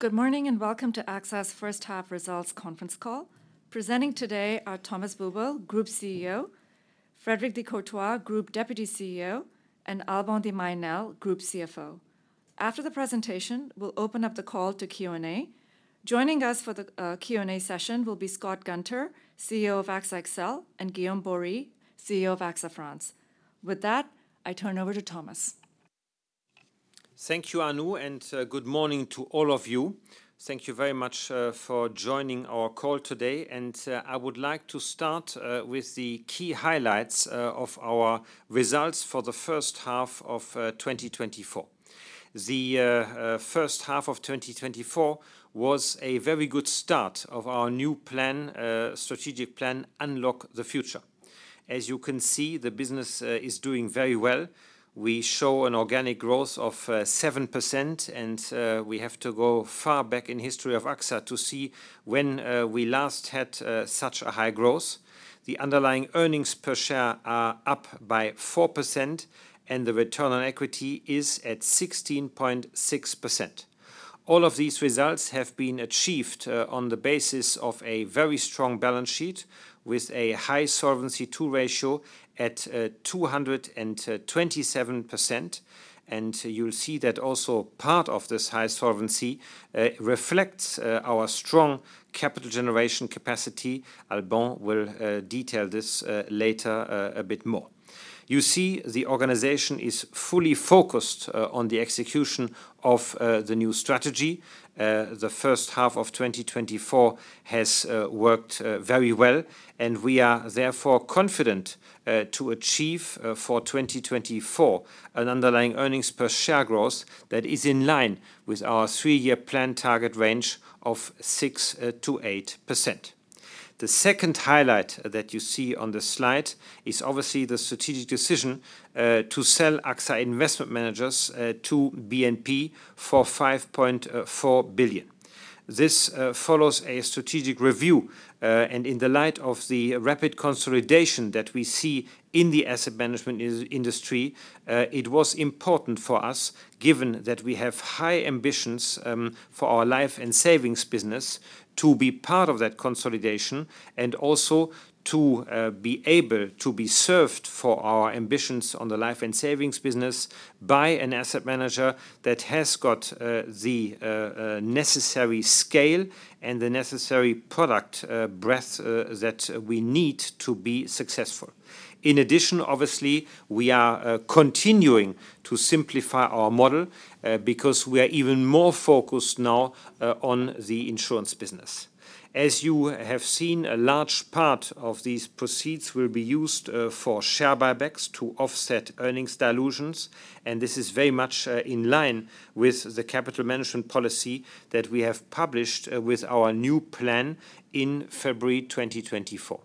Good morning, and welcome to AXA's first half results conference call. Presenting today are Thomas Buberl, Group CEO; Frédéric de Courtois, Group Deputy CEO; and Alban de Mailly Nesle, Group CFO. After the presentation, we'll open up the call to Q&A. Joining us for the Q&A session will be Scott Gunter, CEO of AXA XL, and Guillaume Borie, CEO of AXA France. With that, I turn over to Thomas. Thank you, Anu, and good morning to all of you. Thank you very much for joining our call today, and I would like to start with the key highlights of our results for the first half of 2024. The first half of 2024 was a very good start of our new plan, strategic plan, Unlock the Future. As you can see, the business is doing very well. We show an organic growth of 7%, and we have to go far back in history of AXA to see when we last had such a high growth. The underlying earnings per share are up by 4%, and the return on equity is at 16.6%. All of these results have been achieved on the basis of a very strong balance sheet, with a high Solvency II ratio at 227%. You'll see that also part of this high solvency reflects our strong capital generation capacity. Alban will detail this later a bit more. You see, the organization is fully focused on the execution of the new strategy. The first half of 2024 has worked very well, and we are therefore confident to achieve for 2024 an underlying earnings per share growth that is in line with our three-year plan target range of 6%-8%. The second highlight that you see on the slide is obviously the strategic decision to sell AXA Investment Managers to BNP for 5.4 billion. This follows a strategic review and in the light of the rapid consolidation that we see in the Asset Management industry, it was important for us, given that we have high ambitions for our Life & Savings business, to be part of that consolidation, and also to be able to be served for our ambitions on the Life & Savings business by an asset manager that has got the necessary scale and the necessary product breadth that we need to be successful. In addition, obviously, we are continuing to simplify our model because we are even more focused now on the insurance business. As you have seen, a large part of these proceeds will be used for share buybacks to offset earnings dilutions, and this is very much in line with the capital management policy that we have published with our new plan in February 2024.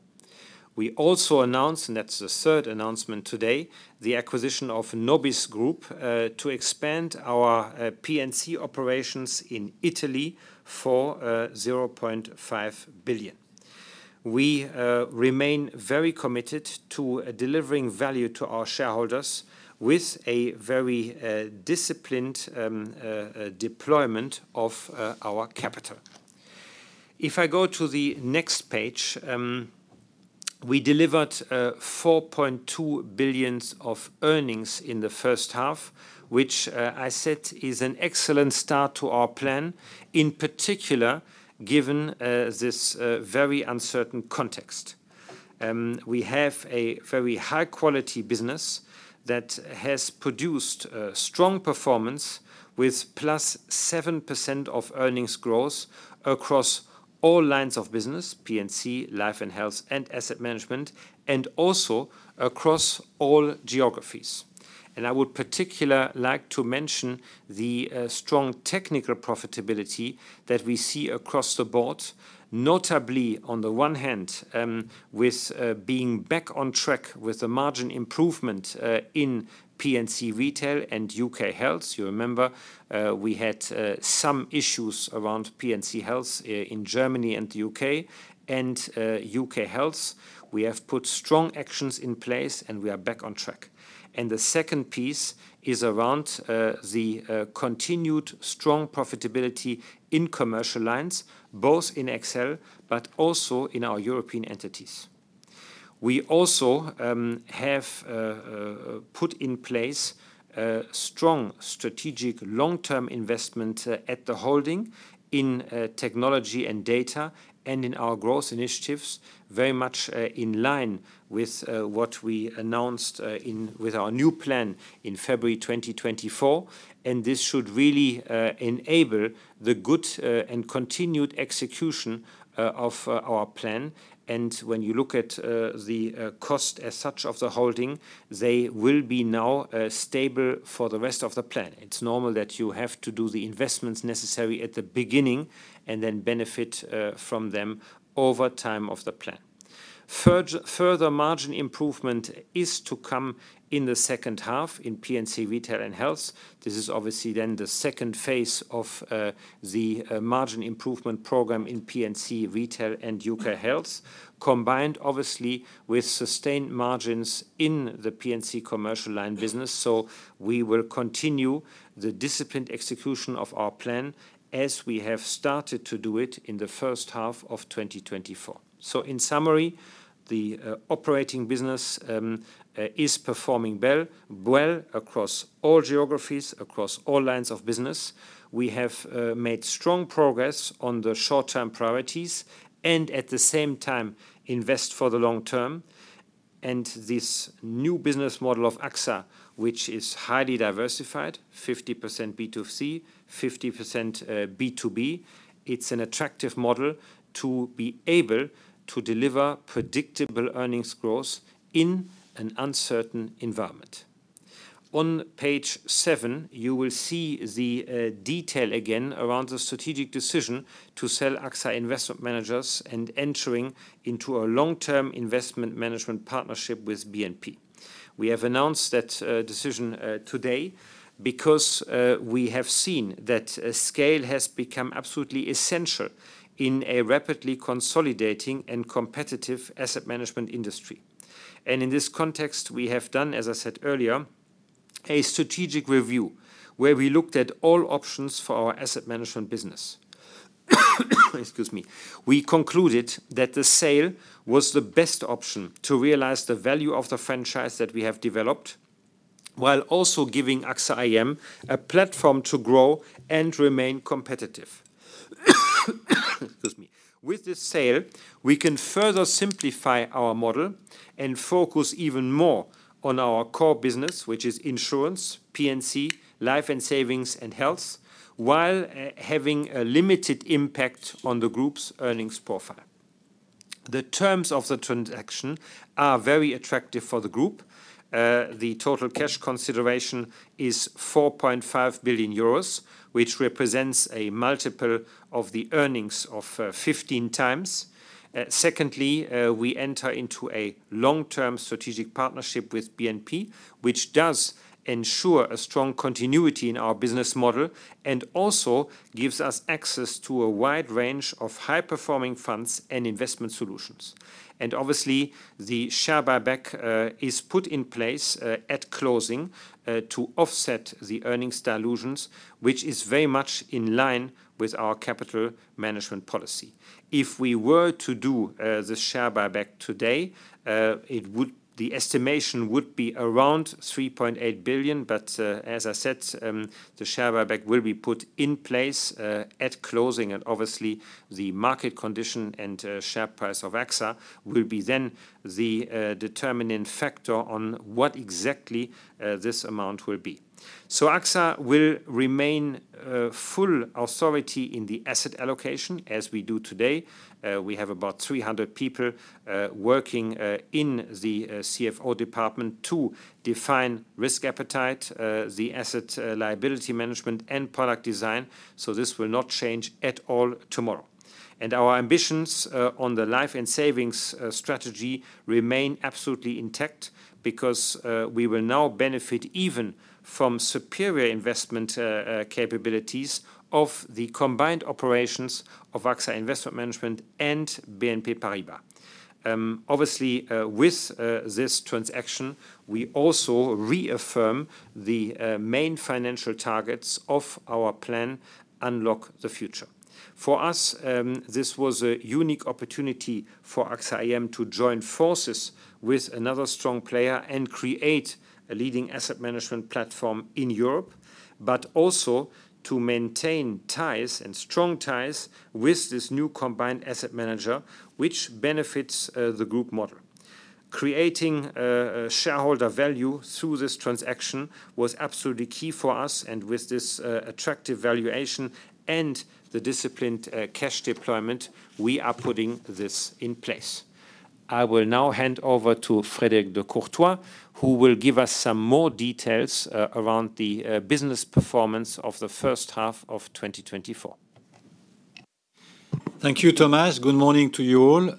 We also announced, and that's the third announcement today, the acquisition of Nobis Group to expand our P&C operations in Italy for 0.5 billion. We remain very committed to delivering value to our shareholders with a very disciplined deployment of our capital. If I go to the next page, we delivered 4.2 billion of earnings in the first half, which I said is an excellent start to our plan, in particular, given this very uncertain context. We have a very high-quality business that has produced strong performance with +7% earnings growth across all lines of business, P&C, Life & Health, and asset management, and also across all geographies. I would particularly like to mention the strong technical profitability that we see across the board, notably, on the one hand, with being back on track with the margin improvement in P&C Retail and UK Health. You remember, we had some issues around P&C Health in Germany and the U.K. UK Health, we have put strong actions in place, and we are back on track. The second piece is around the continued strong profitability in commercial lines, both in XL but also in our European entities. We also have put in place a strong strategic long-term investment at the holding in technology and data and in our growth initiatives, very much in line with what we announced in with our new plan in February 2024, and this should really enable the good and continued execution of our plan. And when you look at the cost as such of the holding, they will be now stable for the rest of the plan. It's normal that you have to do the investments necessary at the beginning and then benefit from them over time of the plan. Further margin improvement is to come in the second half in P&C Retail and Health. This is obviously then the second phase of the margin improvement program in P&C Retail and UK Health, combined obviously with sustained margins in the P&C commercial line business. We will continue the disciplined execution of our plan as we have started to do it in the first half of 2024. In summary, the operating business is performing well, well across all geographies, across all lines of business. We have made strong progress on the short-term priorities and, at the same time, invest for the long term. This new business model of AXA, which is highly diversified, 50% B2C, 50% B2B, it's an attractive model to be able to deliver predictable earnings growth in an uncertain environment. On page seven, you will see the detail again around the strategic decision to sell AXA Investment Managers and entering into a long-term investment management partnership with BNP. We have announced that decision today, because we have seen that scale has become absolutely essential in a rapidly consolidating and competitive asset management industry. In this context, we have done, as I said earlier, a strategic review, where we looked at all options for our asset management business. Excuse me. We concluded that the sale was the best option to realize the value of the franchise that we have developed, while also giving AXA IM a platform to grow and remain competitive. Excuse me. With this sale, we can further simplify our model and focus even more on our core business, which is insurance, P&C, Life & Savings, and health, while having a limited impact on the group's earnings profile. The terms of the transaction are very attractive for the group. The total cash consideration is 4.5 billion euros, which represents a 15x multiple of the earnings. Secondly, we enter into a long-term strategic partnership with BNP, which does ensure a strong continuity in our business model and also gives us access to a wide range of high-performing funds and investment solutions. And obviously, the share buyback is put in place at closing to offset the earnings dilutions, which is very much in line with our capital management policy. If we were to do the share buyback today, the estimation would be around 3.8 billion, but as I said, the share buyback will be put in place at closing, and obviously, the market condition and share price of AXA will be then the determining factor on what exactly this amount will be. So AXA will remain full authority in the asset allocation, as we do today. We have about 300 people working in the CFO department to define risk appetite, the asset liability management, and product design, so this will not change at all tomorrow. Our ambitions on the Life & Savings strategy remain absolutely intact because we will now benefit even from superior investment capabilities of the combined operations of AXA Investment Managers and BNP Paribas. Obviously, with this transaction, we also reaffirm the main financial targets of our plan: Unlock the Future. For us, this was a unique opportunity for AXA IM to join forces with another strong player and create a leading asset management platform in Europe, but also to maintain ties and strong ties with this new combined asset manager, which benefits the group model. Creating shareholder value through this transaction was absolutely key for us, and with this attractive valuation and the disciplined cash deployment, we are putting this in place. I will now hand over to Frédéric de Courtois, who will give us some more details around the business performance of the first half of 2024. Thank you, Thomas. Good morning to you all.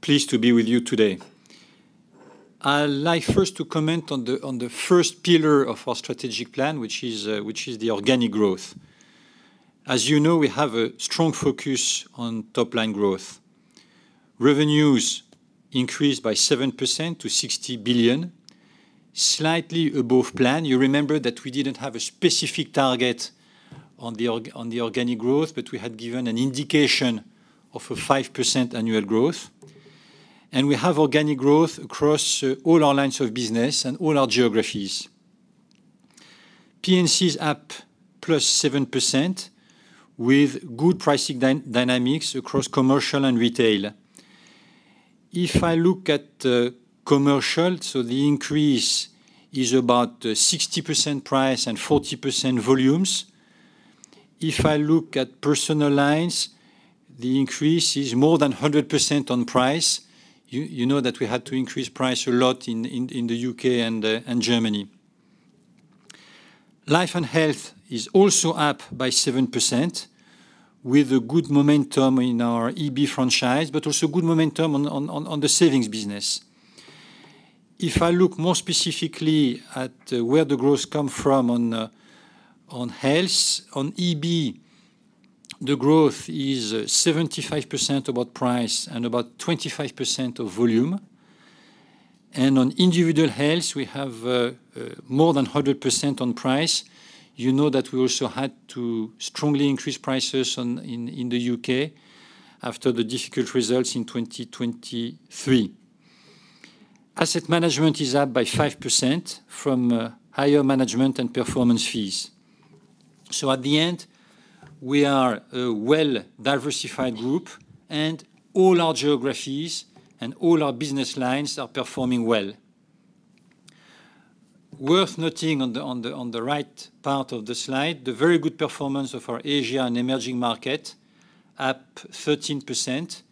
Pleased to be with you today. I'd like first to comment on the first pillar of our strategic plan, which is the organic growth. As you know, we have a strong focus on top-line growth. Revenues increased by 7% to 60 billion, slightly above plan. You remember that we didn't have a specific target on the organic growth, but we had given an indication of a 5% annual growth. And we have organic growth across all our lines of business and all our geographies. P&C is up plus 7%, with good pricing dynamics across commercial and retail. If I look at commercial, so the increase is about 60% price and 40% volumes. If I look at personal lines, the increase is more than 100% on price. You know that we had to increase price a lot in the UK and Germany. Life & Health is also up by 7%, with a good momentum in our EB franchise, but also good momentum on the savings business. If I look more specifically at where the growth come from on health, on EB, the growth is 75% about price and about 25% of volume. And on individual health, we have more than 100% on price. You know that we also had to strongly increase prices in the UK after the difficult results in 2023. Asset management is up by 5% from higher management and performance fees. So at the end, we are a well-diversified group, and all our geographies and all our business lines are performing well. Worth noting on the right part of the slide, the very good performance of our Asia and emerging market, up 13%,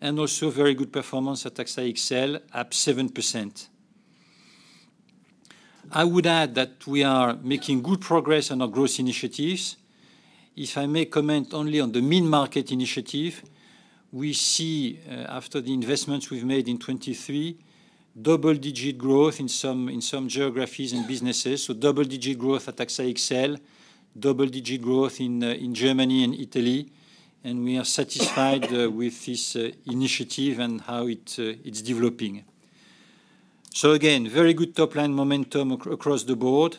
and also very good performance at AXA XL, up 7%. I would add that we are making good progress on our growth initiatives. If I may comment only on the mid-market initiative, we see, after the investments we've made in 2023, double-digit growth in some, in some geographies and businesses, so double-digit growth at AXA XL, double-digit growth in, in Germany and Italy, and we are satisfied with this, initiative and how it, it's developing. So again, very good top-line momentum across the board,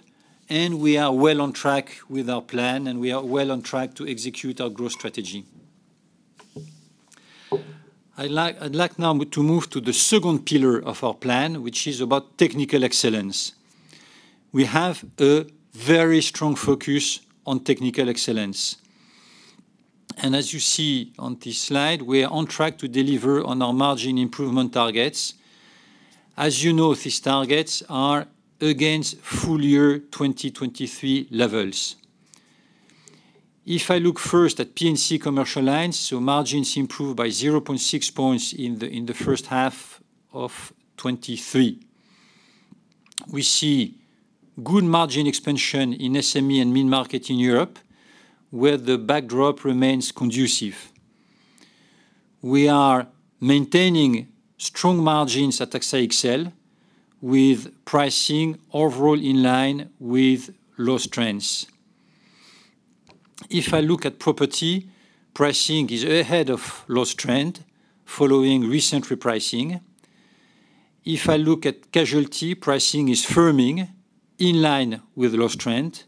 and we are well on track with our plan, and we are well on track to execute our growth strategy. I'd like, I'd like now to move to the second pillar of our plan, which is about technical excellence. We have a very strong focus on technical excellence, and as you see on this slide, we are on track to deliver on our margin improvement targets. As you know, these targets are against full year 2023 levels. If I look first at P&C commercial lines, so margins improved by 0.6 points in the first half of 2023. We see good margin expansion in SME and mid-market in Europe, where the backdrop remains conducive. We are maintaining strong margins at AXA XL with pricing overall in line with loss trends. If I look at property, pricing is ahead of loss trend following recent repricing. If I look at casualty, pricing is firming in line with loss trend.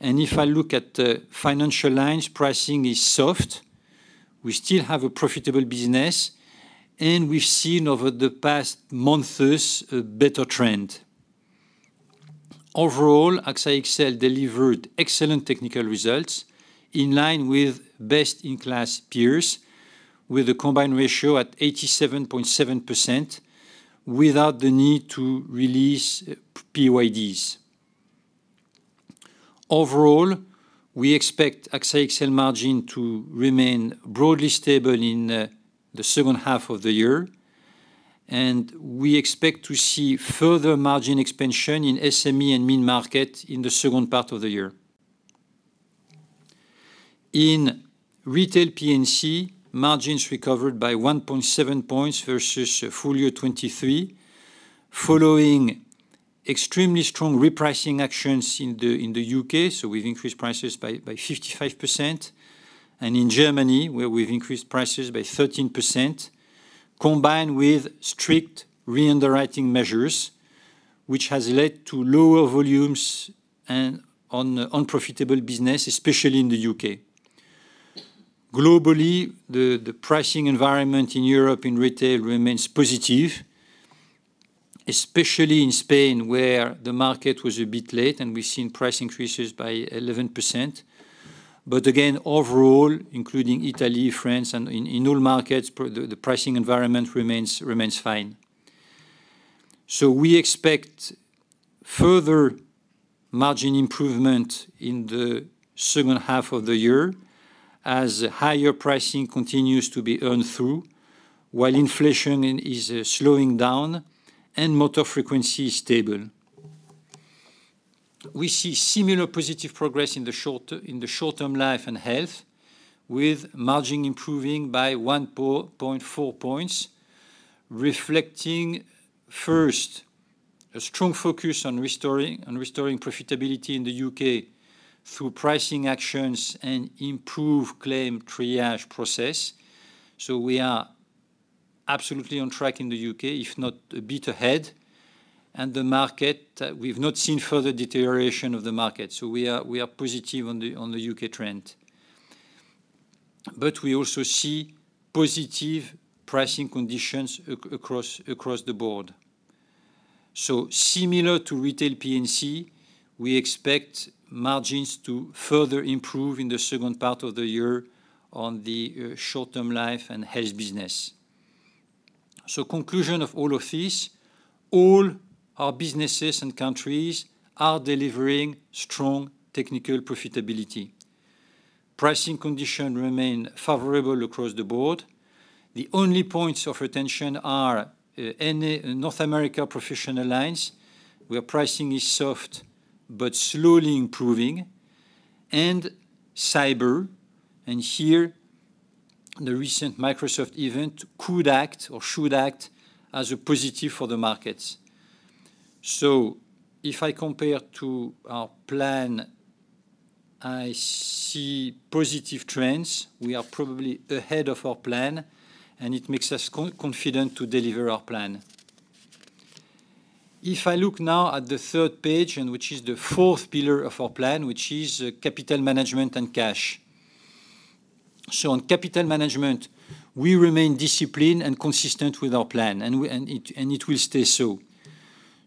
If I look at the financial lines, pricing is soft. We still have a profitable business, and we've seen over the past months a better trend. Overall, AXA XL delivered excellent technical results in line with best-in-class peers, with a combined ratio at 87.7% without the need to release PYDs. Overall, we expect AXA XL margin to remain broadly stable in the second half of the year, and we expect to see further margin expansion in SME and mid-market in the second part of the year. In retail P&C, margins recovered by 1.7 points versus full year 2023, following extremely strong repricing actions in the UK, so we've increased prices by 55%, and in Germany, where we've increased prices by 13%, combined with strict reunderwriting measures, which has led to lower volumes on unprofitable business, especially in the UK. Globally, the pricing environment in Europe in retail remains positive, especially in Spain, where the market was a bit late and we've seen price increases by 11%. But again, overall, including Italy, France, and in all markets, the pricing environment remains fine. So we expect further margin improvement in the second half of the year as higher pricing continues to be earned through, while inflation is slowing down and motor frequency is stable. We see similar positive progress in the short-term Life & Health, with margin improving by 1.4 points, reflecting first, a strong focus on restoring profitability in the U.K. through pricing actions and improved claim triage process. So we are absolutely on track in the U.K., if not a bit ahead, and the market, we've not seen further deterioration of the market, so we are positive on the U.K. trend. But we also see positive pricing conditions across the board. So similar to retail P&C, we expect margins to further improve in the second part of the year on the short-term Life & Health business. So conclusion of all of this, all our businesses and countries are delivering strong technical profitability. Pricing condition remain favorable across the board. The only points of retention are in North America Professional Lines, where pricing is soft but slowly improving, and cyber, and here, the recent Microsoft event could act or should act as a positive for the markets. So if I compare to our plan, I see positive trends. We are probably ahead of our plan, and it makes us confident to deliver our plan. If I look now at the third page, and which is the fourth pillar of our plan, which is capital management and cash. So on capital management, we remain disciplined and consistent with our plan, and it will stay so.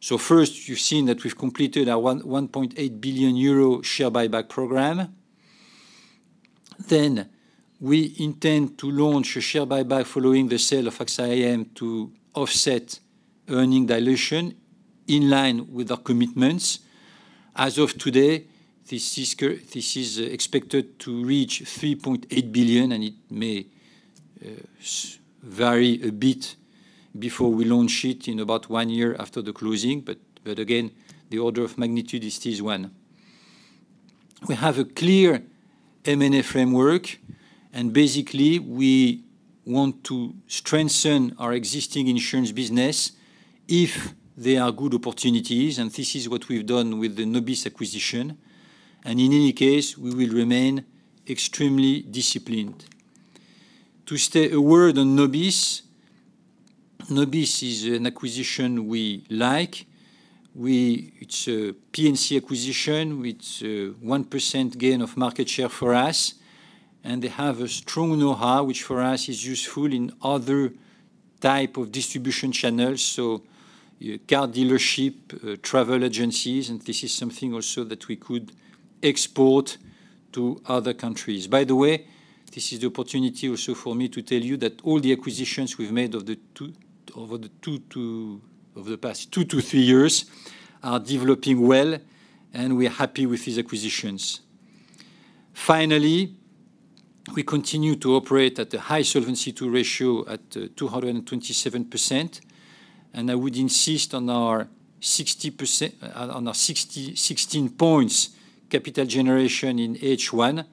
So first, you've seen that we've completed our 1.8 billion euro share buyback program. Then we intend to launch a share buyback following the sale of AXA IM to offset earning dilution in line with our commitments. As of today, this is expected to reach 3.8 billion, and it may vary a bit before we launch it in about one year after the closing, but again, the order of magnitude, it stays one. We have a clear M&A framework, and basically, we want to strengthen our existing insurance business if there are good opportunities, and this is what we've done with the Nobis acquisition, and in any case, we will remain extremely disciplined. To say a word on Nobis, Nobis is an acquisition we like. It's a P&C acquisition with a 1% gain of market share for us, and they have a strong know-how, which, for us, is useful in other type of distribution channels, so your car dealership, travel agencies, and this is something also that we could export to other countries. By the way, this is the opportunity also for me to tell you that all the acquisitions we've made over the past two to three years are developing well, and we're happy with these acquisitions. Finally, we continue to operate at a high solvency ratio at 227%, and I would insist on our 60.16 points capital generation in H1,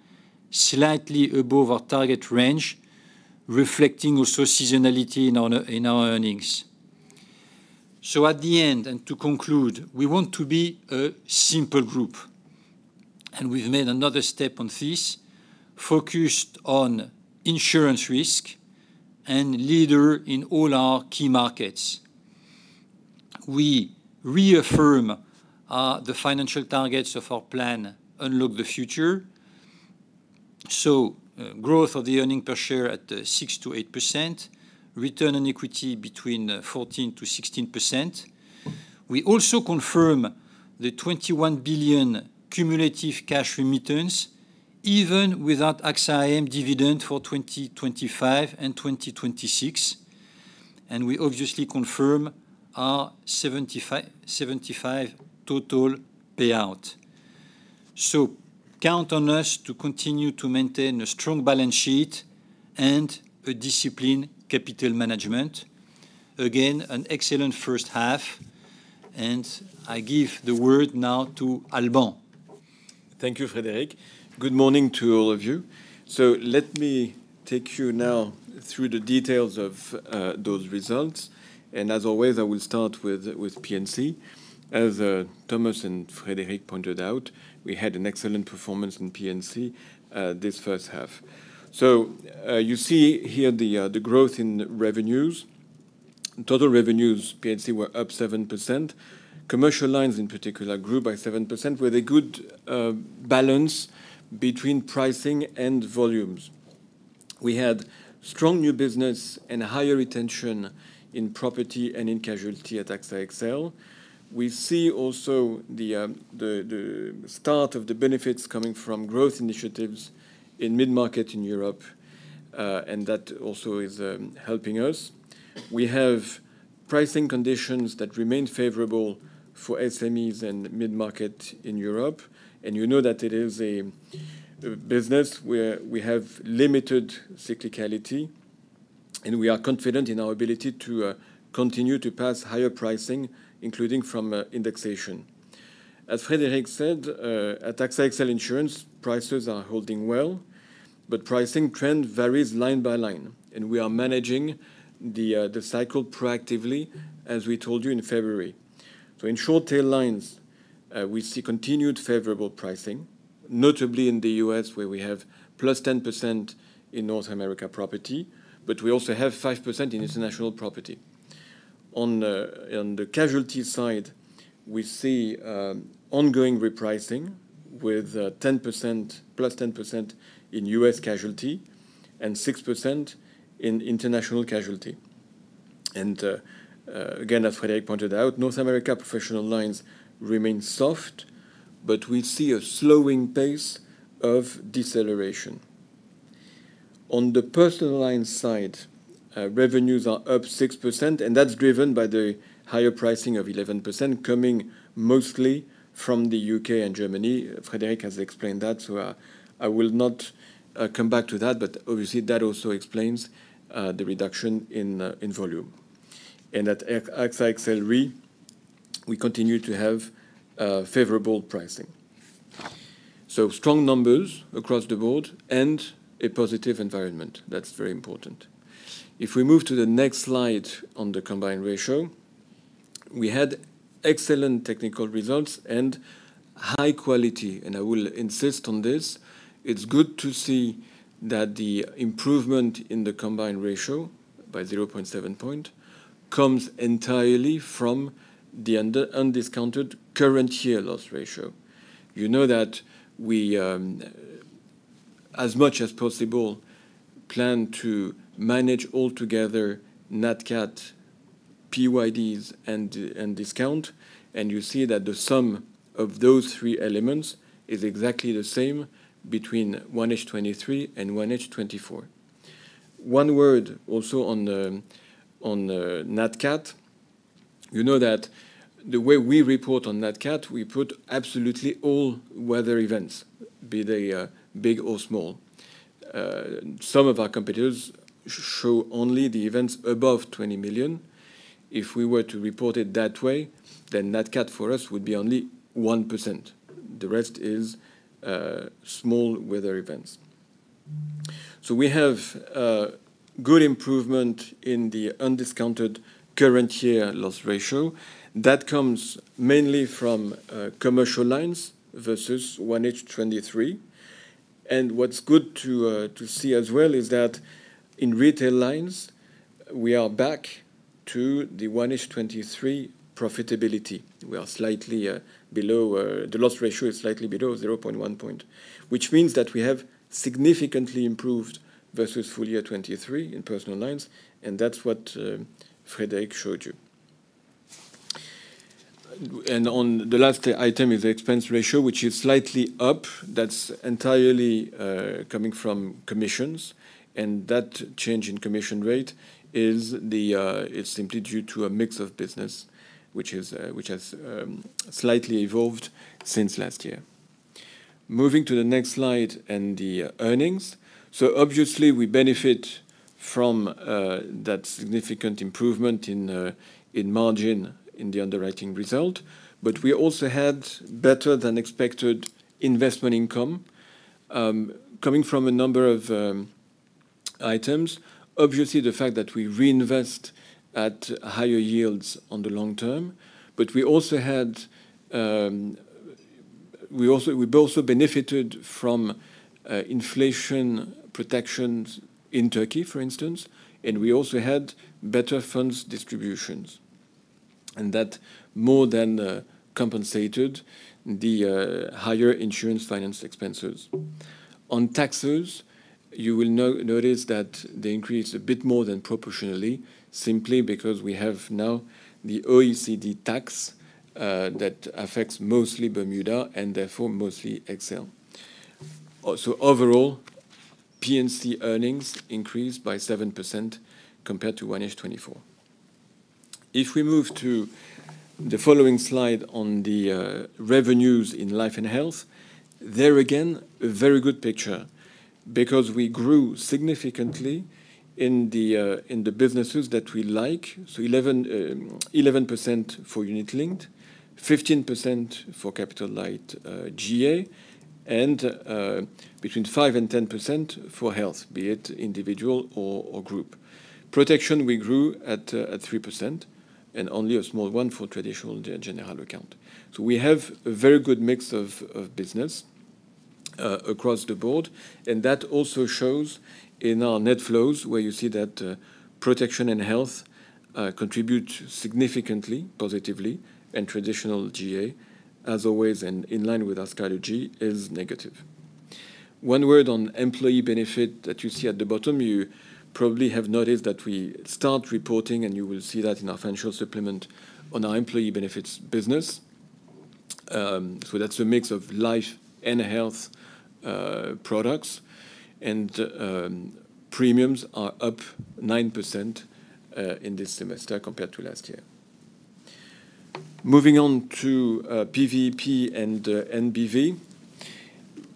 slightly above our target range, reflecting also seasonality in our, in our earnings. So at the end, and to conclude, we want to be a simple group, and we've made another step on this, focused on insurance risk and leader in all our key markets. We reaffirm the financial targets of our plan, Unlock the Future, so growth of the earnings per share at 6%-8%, return on equity between 14%-16%. We also confirm the 21 billion cumulative cash remittance even without AXA IM dividend for 2025 and 2026, and we obviously confirm our 75 total payout. So count on us to continue to maintain a strong balance sheet and a disciplined capital management. Again, an excellent first half, and I give the word now to Alban. Thank you, Frédéric. Good morning to all of you. Let me take you now through the details of those results, and as always, I will start with P&C. As Thomas and Frédéric pointed out, we had an excellent performance in P&C this first half. You see here the growth in revenues. Total revenues, P&C, were up 7%. Commercial lines, in particular, grew by 7%, with a good balance between pricing and volumes. We had strong new business and higher retention in property and in casualty at AXA XL. We see also the start of the benefits coming from growth initiatives in mid-market in Europe, and that also is helping us. We have pricing conditions that remain favorable for SMEs and mid-market in Europe, and you know that it is a business where we have limited cyclicality, and we are confident in our ability to continue to pass higher pricing, including from indexation. As Frédéric said, at AXA XL Insurance, prices are holding well, but pricing trend varies line by line, and we are managing the cycle proactively, as we told you in February. So in short tail lines, we see continued favorable pricing, notably in the U.S., where we have +10% in North America Property, but we also have 5% in International Property. On the casualty side, we see ongoing repricing with 10%, +10% in U.S. Casualty and 6% in International Casualty. Again, as Frédéric pointed out, North America Professional lines remain soft, but we see a slowing pace of deceleration. On the personal line side, revenues are up 6%, and that's driven by the higher pricing of 11% coming mostly from the UK and Germany. Frédéric has explained that, so I will not come back to that, but obviously, that also explains the reduction in volume. And at AXA XL Re, we continue to have favorable pricing. So strong numbers across the board and a positive environment. That's very important. If we move to the next slide on the combined ratio, we had excellent technical results and high quality, and I will insist on this. It's good to see that the improvement in the combined ratio, by 0.7 point, comes entirely from the undiscounted current year loss ratio. You know that we, as much as possible, plan to manage altogether Nat Cat, PYDs, and discount, and you see that the sum of those three elements is exactly the same between 1H 2023 and 1H 2024. One word also on the Nat Cat. You know that the way we report on Nat Cat, we put absolutely all weather events, be they big or small. Some of our competitors show only the events above 20 million. If we were to report it that way, then Nat Cat for us would be only 1%. The rest is small weather events. So we have good improvement in the undiscounted current year loss ratio. That comes mainly from commercial lines versus 1H 2023, and what's good to see as well is that in retail lines, we are back to the 1H 2023 profitability. We are slightly below. The loss ratio is slightly below 0.1 point, which means that we have significantly improved versus full year 2023 in personal lines, and that's what Frédéric showed you. And on the last item is the expense ratio, which is slightly up. That's entirely coming from commissions, and that change in commission rate is simply due to a mix of business, which has slightly evolved since last year. Moving to the next slide and the earnings. So obviously, we benefit from that significant improvement in margin in the underwriting result, but we also had better-than-expected investment income, coming from a number of items. Obviously, the fact that we reinvest at higher yields on the long term, but we also benefited from inflation protections in Turkey, for instance, and we also had better funds distributions, and that more than compensated the higher insurance finance expenses. On taxes, you will notice that they increased a bit more than proportionally, simply because we have now the OECD tax that affects mostly Bermuda and therefore mostly XL. So overall, P&C earnings increased by 7% compared to 1H 2024. If we move to the following slide on the revenues in Life & Health, there again, a very good picture because we grew significantly in the businesses that we like. So 11% for unit-linked, 15% for capital light GA, and between 5% and 10% for health, be it individual or group. Protection, we grew at 3% and only a small one for traditional general account. So we have a very good mix of business across the board, and that also shows in our net flows, where you see that protection and health contribute significantly positively, and traditional GA, as always and in line with our strategy, is negative. One word on Employee Benefit that you see at the bottom, you probably have noticed that we start reporting, and you will see that in our financial supplement on our Employee Benefits business. So that's a mix of Life & Health products, and premiums are up 9% in this semester compared to last year. Moving on to PVP and NBV,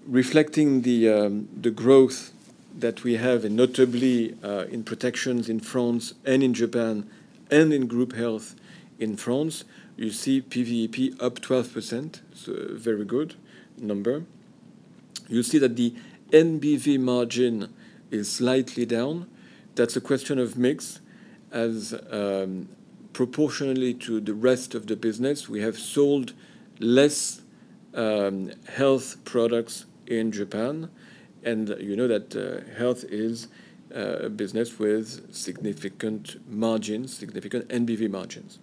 reflecting the growth that we have, and notably in protections in France and in Japan and in group health in France, you see PVP up 12%, so very good number. You see that the NBV margin is slightly down. That's a question of mix, as proportionally to the rest of the business, we have sold less health products in Japan, and you know that health is a business with significant margins, significant NBV margins.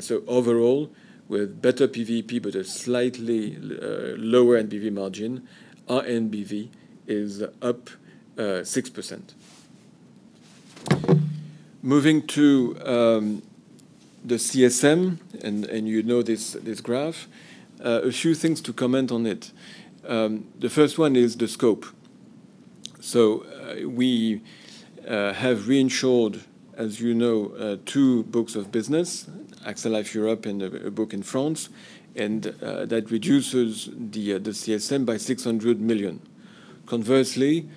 So overall, with better PVP but a slightly lower NBV margin, our NBV is up 6%. Moving to the CSM, and you know this graph. A few things to comment on it. The first one is the scope. So we have reinsured, as you know, two books of business, AXA Life Europe and a book in France, and that reduces the CSM by 600 million. Conversely,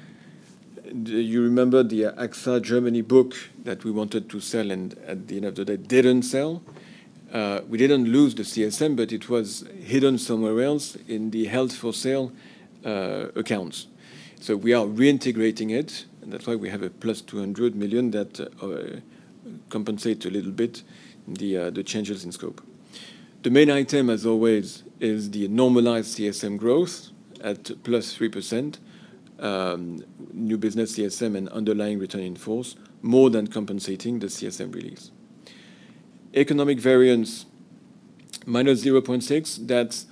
do you remember the AXA Germany book that we wanted to sell and at the end of the day, didn't sell? We didn't lose the CSM, but it was hidden somewhere else in the held for sale accounts. So we are reintegrating it, and that's why we have a plus 200 million that compensate a little bit the changes in scope. The main item, as always, is the normalized CSM growth at +3%. New business CSM and underlying return in force, more than compensating the CSM release. Economic variance, -0.6, that's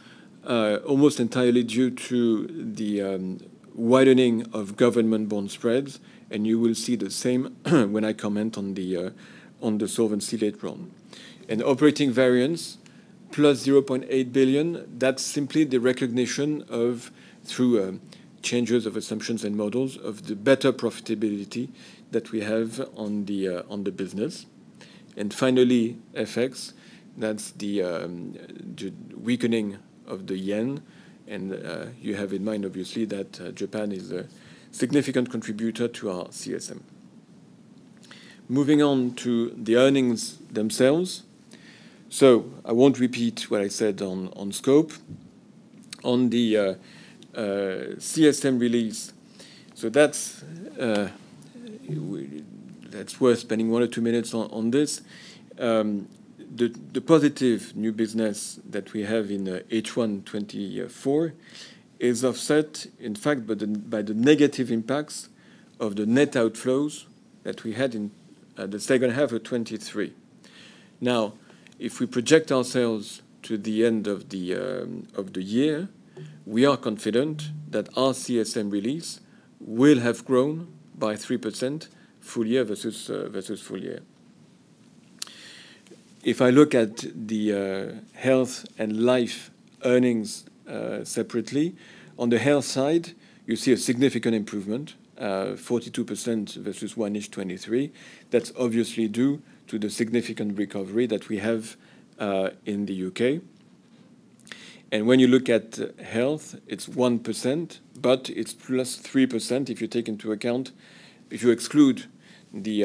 almost entirely due to the widening of government bond spreads, and you will see the same when I comment on the solvency rate problem. Operating variance, +0.8 billion, that's simply the recognition of, through changes of assumptions and models, of the better profitability that we have on the business. Finally, FX. That's the weakening of the yen, and you have in mind, obviously, that Japan is a significant contributor to our CSM. Moving on to the earnings themselves. So I won't repeat what I said on scope. On the CSM release, so that's it's worth spending one or two minutes on, on this. The positive new business that we have in H1 2024 is offset, in fact, by the negative impacts of the net outflows that we have in the second half of 2023. Now, if we project ourselves to the end of the year, we are confident that our CSM release will have grown by 3% full year versus full year. If I look at the health and life earnings separately, on the health side, you see a significant improvement 42% versus 1H 2023. That's obviously due to the significant recovery that we have in the UK. When you look at health, it's 1%, but it's +3% if you take into account, if you exclude the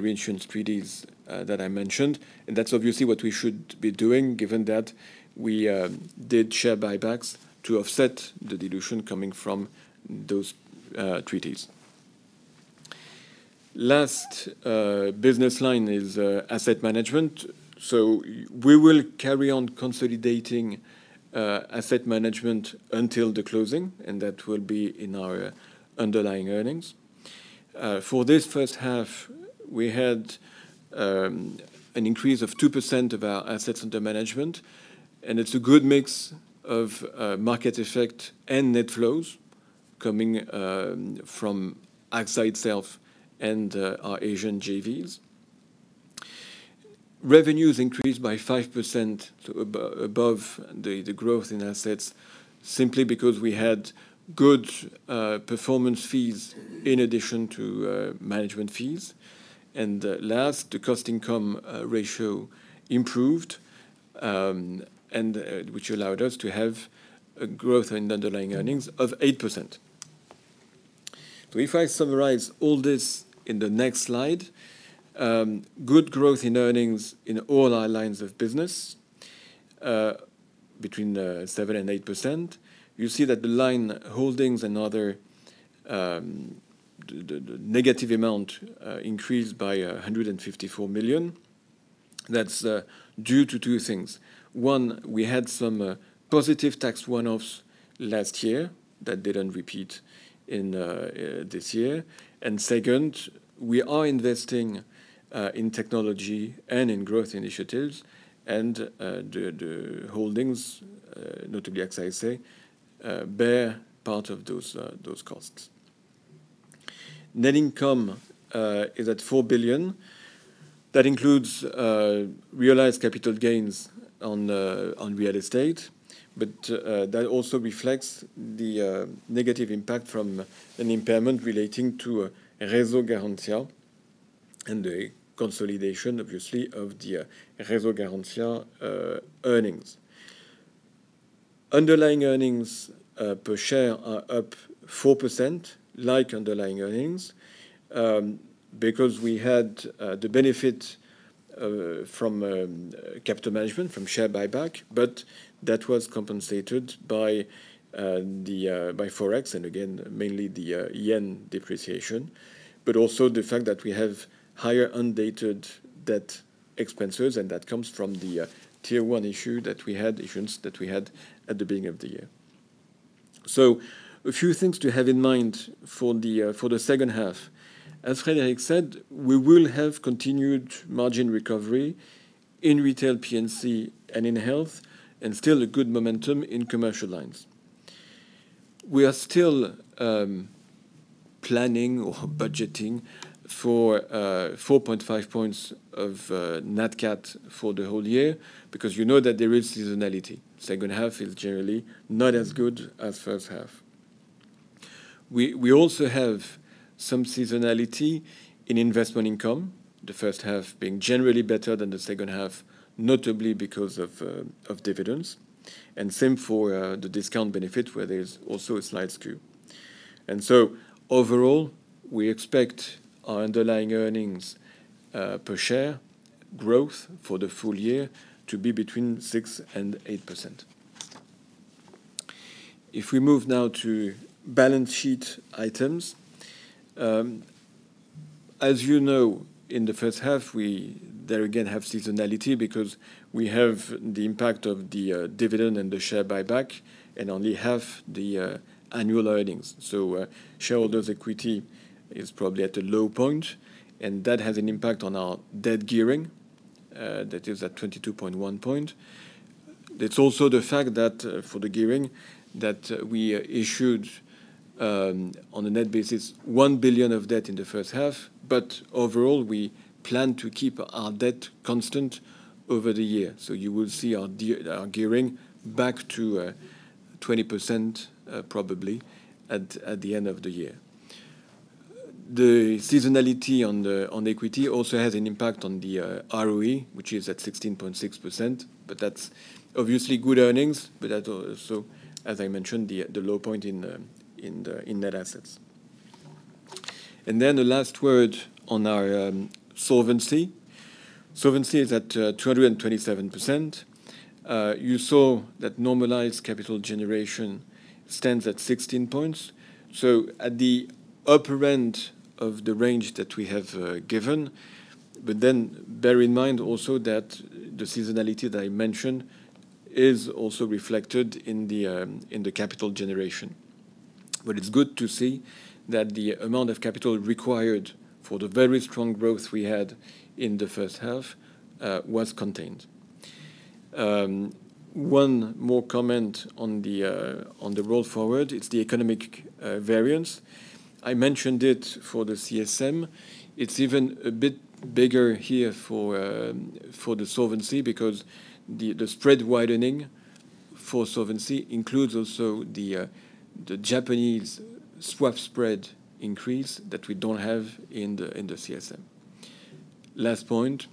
reinsurance treaties that I mentioned. That's obviously what we should be doing, given that we did share buybacks to offset the dilution coming from those treaties. Last business line is asset management. So we will carry on consolidating asset management until the closing, and that will be in our underlying earnings. For this first half, we had an increase of 2% of our assets under management, and it's a good mix of market effect and net flows coming from AXA itself and our Asian JVs. Revenues increased by 5% above the growth in assets, simply because we had good performance fees in addition to management fees. Last, the cost-income ratio improved, and which allowed us to have a growth in underlying earnings of 8%. So if I summarize all this in the next slide, good growth in earnings in all our lines of business, between 7% and 8%. You see that the line holdings and other, the negative amount increased by 154 million. That's due to two things. One, we had some positive tax one-offs last year that didn't repeat in this year. And second, we are investing in technology and in growth initiatives, and the holdings, notably AXA SA, bear part of those costs. Net income is at 4 billion. That includes realized capital gains on real estate, but that also reflects the negative impact from an impairment relating to RESO Garantia and the consolidation, obviously, of the RESO Garantia earnings. Underlying earnings per share are up 4%, like underlying earnings, because we had the benefit from capital management, from share buyback, but that was compensated by Forex, and again, mainly the yen depreciation, but also the fact that we have higher undated debt expenses, and that comes from the Tier 1 issues that we had at the beginning of the year. So a few things to have in mind for the second half. As Frederick said, we will have continued margin recovery in retail P&C and in health, and still a good momentum in commercial lines. We are still planning or budgeting for 4.5 points of NatCat for the whole year, because you know that there is seasonality. Second half is generally not as good as first half. We also have some seasonality in investment income, the first half being generally better than the second half, notably because of dividends, and same for the discount benefit, where there's also a slight skew. And so overall, we expect our underlying earnings per share growth for the full year to be between 6% and 8%. If we move now to balance sheet items, as you know, in the first half, we there again have seasonality because we have the impact of the dividend and the share buyback and only have the annual earnings. So, shareholders' equity is probably at a low point, and that has an impact on our debt gearing that is at 22.1%. It's also the fact that for the gearing we issued on a net basis 1 billion of debt in the first half, but overall, we plan to keep our debt constant over the year. So you will see our gearing back to 20%, probably, at the end of the year. The seasonality on the equity also has an impact on the ROE, which is at 16.6%, but that's obviously good earnings, but that's also, as I mentioned, the low point in the net assets. And then the last word on our solvency. Solvency is at 227%. You saw that normalized capital generation stands at 16 points, so at the upper end of the range that we have given. But then bear in mind also that the seasonality that I mentioned is also reflected in the capital generation. But it's good to see that the amount of capital required for the very strong growth we had in the first half was contained. One more comment on the roll forward, it's the economic variance. I mentioned it for the CSM. It's even a bit bigger here for the solvency, because the spread widening for solvency includes also the Japanese swap spread increase that we don't have in the CSM. Last point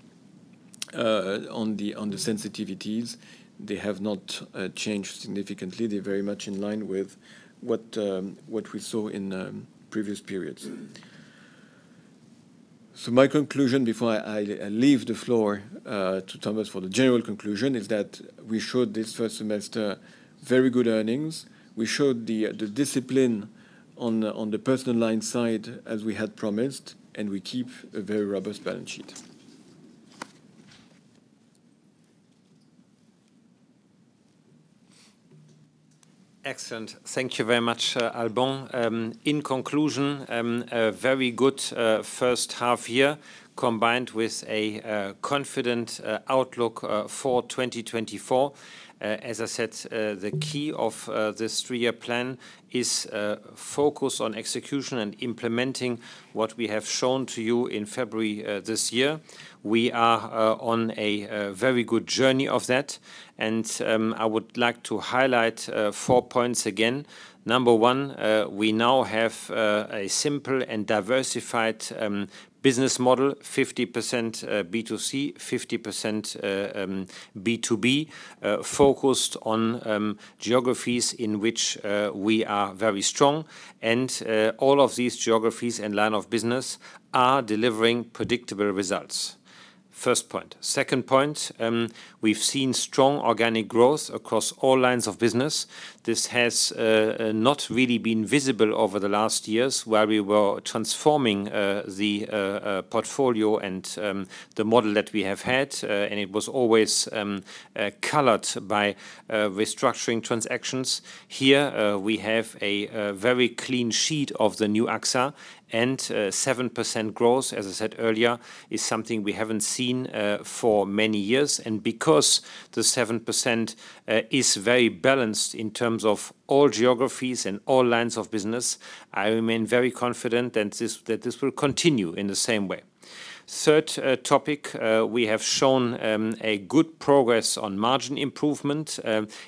on the sensitivities, they have not changed significantly. They're very much in line with what we saw in previous periods. So my conclusion before I leave the floor to Thomas for the general conclusion, is that we showed this first semester very good earnings. We showed the discipline on the personal line side, as we had promised, and we keep a very robust balance sheet. Excellent. Thank you very much, Alban. In conclusion, a very good first half year, combined with a confident outlook for 2024. As I said, the key of this three-year plan is focus on execution and implementing what we have shown to you in February this year. We are on a very good journey of that, and I would like to highlight four points again. Number one, we now have a simple and diversified business model, 50% B2C, 50% B2B, focused on geographies in which we are very strong, and all of these geographies and line of business are delivering predictable results. First point. Second point, we've seen strong organic growth across all lines of business. This has not really been visible over the last years, where we were transforming the portfolio and the model that we have had, and it was always colored by restructuring transactions. Here, we have a very clean sheet of the new AXA, and 7% growth, as I said earlier, is something we haven't seen for many years. And because the 7% is very balanced in terms of all geographies and all lines of business, I remain very confident that this, that this will continue in the same way. Third topic, we have shown a good progress on margin improvement,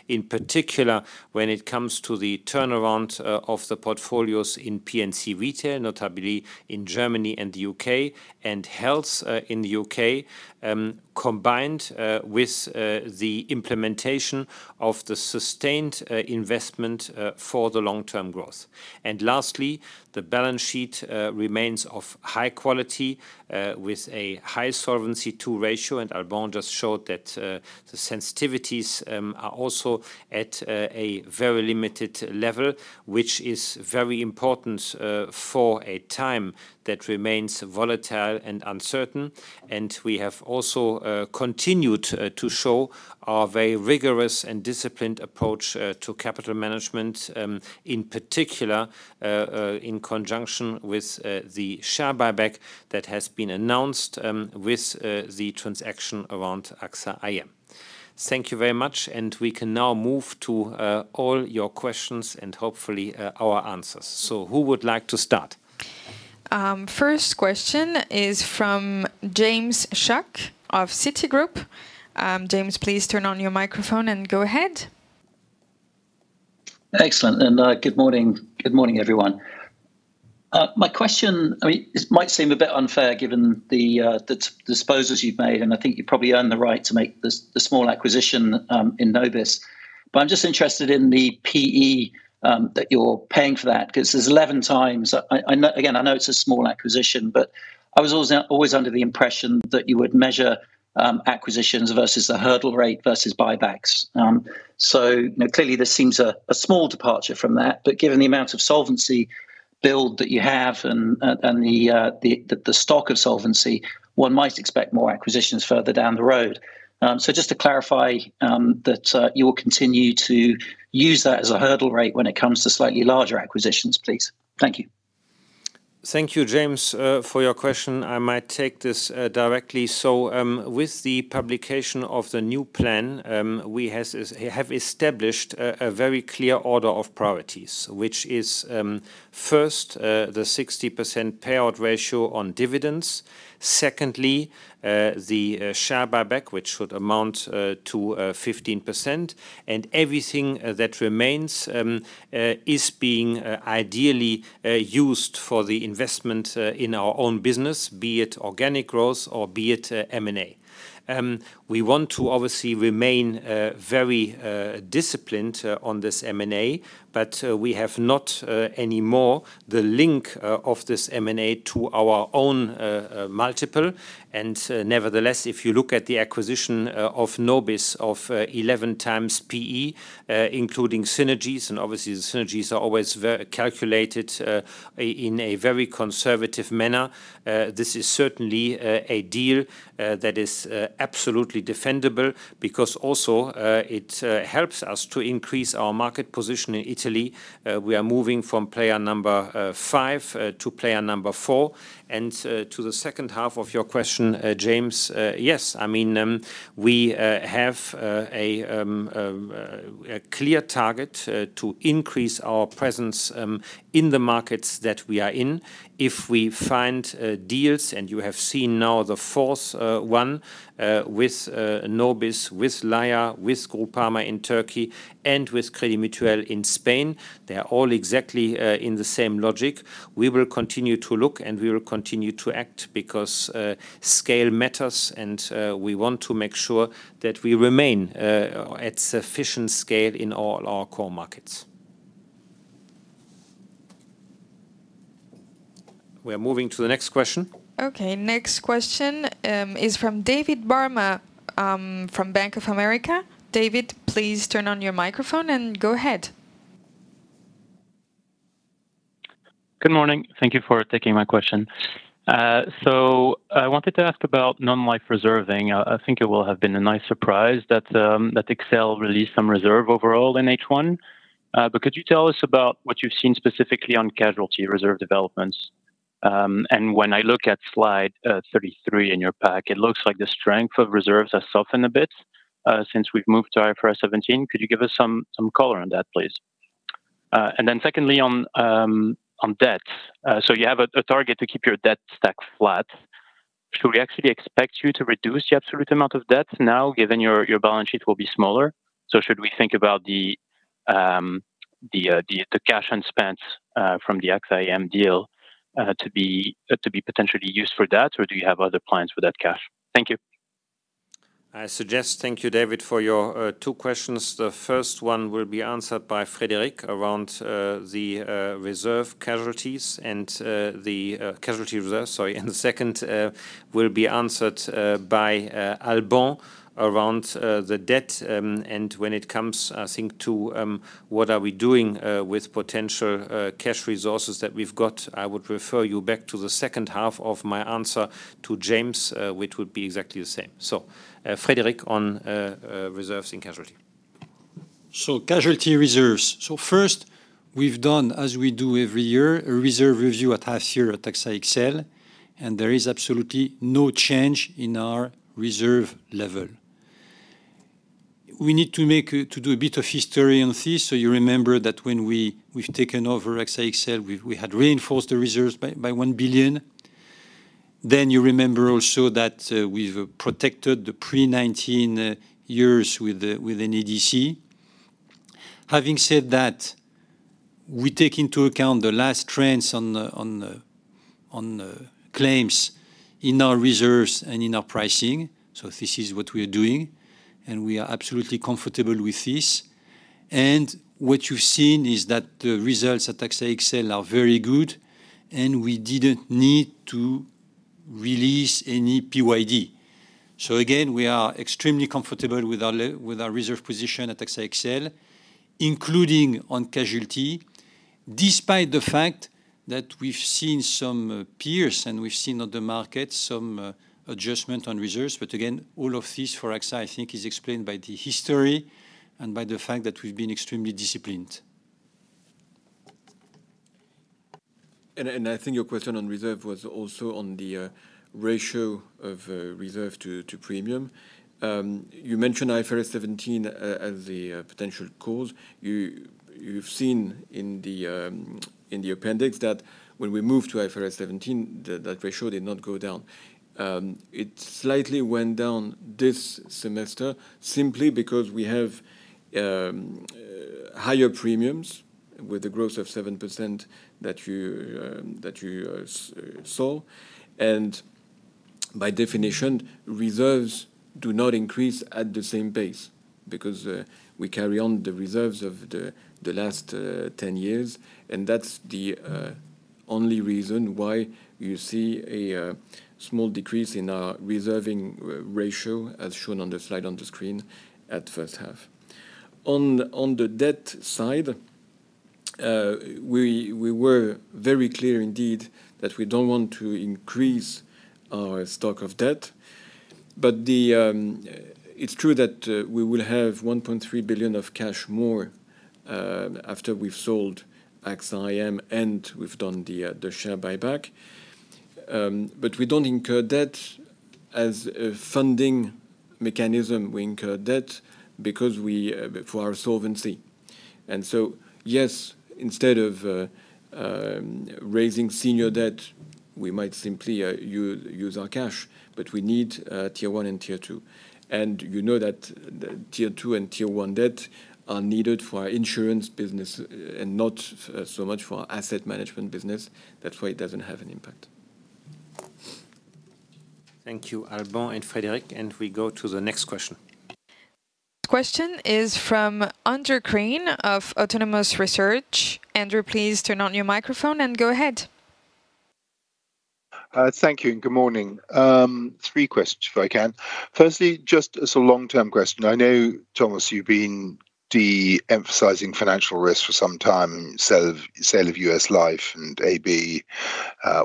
in particular, when it comes to the turnaround of the portfolios in P&C Retail, notably in Germany and the UK, and Health in the UK, combined with the implementation of the sustained investment for the long-term growth. And lastly, the balance sheet remains of high quality, with a high Solvency II ratio, and Alban just showed that the sensitivities are also at a very limited level, which is very important for a time that remains volatile and uncertain. And we have also continued to show our very rigorous and disciplined approach to capital management, in particular, in conjunction with the share buyback that has been announced, with the transaction around AXA IM. Thank you very much, and we can now move to all your questions and hopefully our answers. Who would like to start?... First question is from James Shuck of Citigroup. James, please turn on your microphone and go ahead. Excellent, and good morning. Good morning, everyone. My question, I mean, this might seem a bit unfair given the disposals you've made, and I think you probably earned the right to make this, the small acquisition in Nobis. But I'm just interested in the PE that you're paying for that. 'Cause it's 11 times. I know— Again, I know it's a small acquisition, but I was always under the impression that you would measure acquisitions versus the hurdle rate versus buybacks. So, you know, clearly this seems a small departure from that, but given the amount of solvency build that you have and the stock of solvency, one might expect more acquisitions further down the road. Just to clarify that you will continue to use that as a hurdle rate when it comes to slightly larger acquisitions, please. Thank you. Thank you, James, for your question. I might take this directly. So, with the publication of the new plan, we have established a very clear order of priorities, which is first, the 60% payout ratio on dividends. Secondly, the share buyback, which should amount to 15%; and everything that remains is being ideally used for the investment in our own business, be it organic growth or be it M&A. We want to obviously remain very disciplined on this M&A, but we have not any more the link of this M&A to our own multiple. Nevertheless, if you look at the acquisition of Nobis, of 11 times PE, including synergies, and obviously the synergies are always very calculated in a very conservative manner, this is certainly a deal that is absolutely defendable because also it helps us to increase our market position in Italy. We are moving from player number 5 to player number 4. To the second half of your question, James, yes, I mean, we have a clear target to increase our presence in the markets that we are in. If we find deals, and you have seen now the fourth one with Nobis, with Laya, with Groupama in Turkey, and with Crédit Mutuel in Spain, they are all exactly in the same logic. We will continue to look, and we will continue to act, because scale matters, and we want to make sure that we remain at sufficient scale in all our core markets. We are moving to the next question. Okay, next question, is from David Barma, from Bank of America. David, please turn on your microphone and go ahead. Good morning. Thank you for taking my question. So I wanted to ask about non-life reserving. I think it will have been a nice surprise that AXA XL released some reserve overall in H1. But could you tell us about what you've seen specifically on casualty reserve developments? And when I look at slide 33 in your pack, it looks like the strength of reserves has softened a bit since we've moved to IFRS 17. Could you give us some color on that, please? And then secondly, on debt. So you have a target to keep your debt stack flat. Should we actually expect you to reduce the absolute amount of debt now, given your balance sheet will be smaller? So should we think about the cash proceeds from the AXA IM deal to be potentially used for that or do you have other plans for that cash? Thank you. I suggest thank you, David, for your two questions. The first one will be answered by Frédéric around the reserve casualties and the casualty reserve, sorry. And the second will be answered by Alban around the debt. And when it comes, I think, to what are we doing with potential cash resources that we've got, I would refer you back to the second half of my answer to James, which would be exactly the same. So, Frédéric, on reserves and casualty. Casualty reserves. First, we've done, as we do every year, a reserve review at half-year at AXA XL, and there is absolutely no change in our reserve level. We need to make a, to do a bit of history on this. You remember that when we've taken over AXA XL, we had reinforced the reserves by 1 billion. Then you remember also that we've protected the pre-2019 years with an ADC. Having said that, we take into account the last trends on the claims in our reserves and in our pricing. This is what we are doing, and we are absolutely comfortable with this. What you've seen is that the results at AXA XL are very good, and we didn't need to release any PYD. So again, we are extremely comfortable with our reserve position at AXA XL, including on casualty, despite the fact that we've seen some peers and we've seen on the market some adjustment on reserves. But again, all of this for AXA, I think, is explained by the history and by the fact that we've been extremely disciplined.... And I think your question on reserve was also on the ratio of reserve to premium. You mentioned IFRS 17 as the potential cause. You've seen in the appendix that when we moved to IFRS 17, that ratio did not go down. It slightly went down this semester simply because we have higher premiums with a growth of 7% that you saw. And by definition, reserves do not increase at the same pace because we carry on the reserves of the last 10 years, and that's the only reason why you see a small decrease in our reserving ratio, as shown on the slide on the screen at first half. On the debt side, we were very clear indeed that we don't want to increase our stock of debt. But it's true that we will have 1.3 billion of cash more after we've sold AXA IM, and we've done the share buyback. But we don't incur debt as a funding mechanism. We incur debt because we for our solvency. And so, yes, instead of raising senior debt, we might simply use our cash, but we need Tier I and Tier II. And you know that the Tier II and Tier I debt are needed for our insurance business, and not so much for our asset management business. That's why it doesn't have an impact. Thank you, Alban and Frédéric, and we go to the next question. Question is from Andrew Crean of Autonomous Research. Andrew, please turn on your microphone and go ahead. Thank you, and good morning. Three questions, if I can. Firstly, just as a long-term question, I know, Thomas, you've been de-emphasizing financial risk for some time, sale of U.S. Life and AB,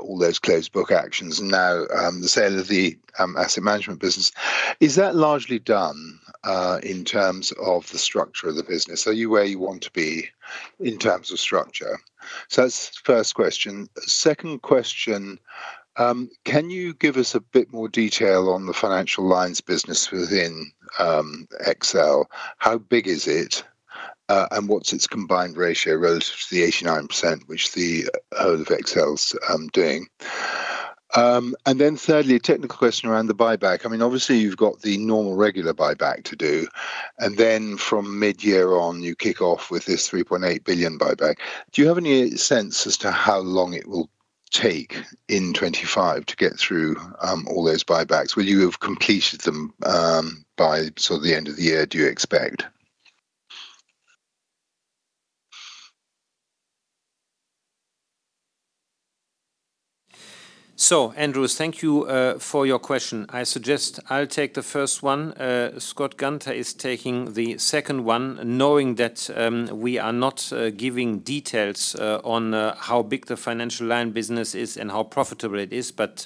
all those closed-book actions, and now, the sale of the asset management business. Is that largely done, in terms of the structure of the business? Are you where you want to be in terms of structure? So that's the first question. Second question, can you give us a bit more detail on the financial lines business within XL? How big is it, and what's its combined ratio relative to the 89% which the whole of XL's doing? And then thirdly, a technical question around the buyback. I mean, obviously, you've got the normal regular buyback to do, and then from mid-year on, you kick off with this 3.8 billion buyback. Do you have any sense as to how long it will take in 2025 to get through all those buybacks? Will you have completed them by sort of the end of the year, do you expect? So, Andrew, thank you for your question. I suggest I'll take the first one. Scott Gunter is taking the second one, knowing that we are not giving details on how big the financial line business is and how profitable it is, but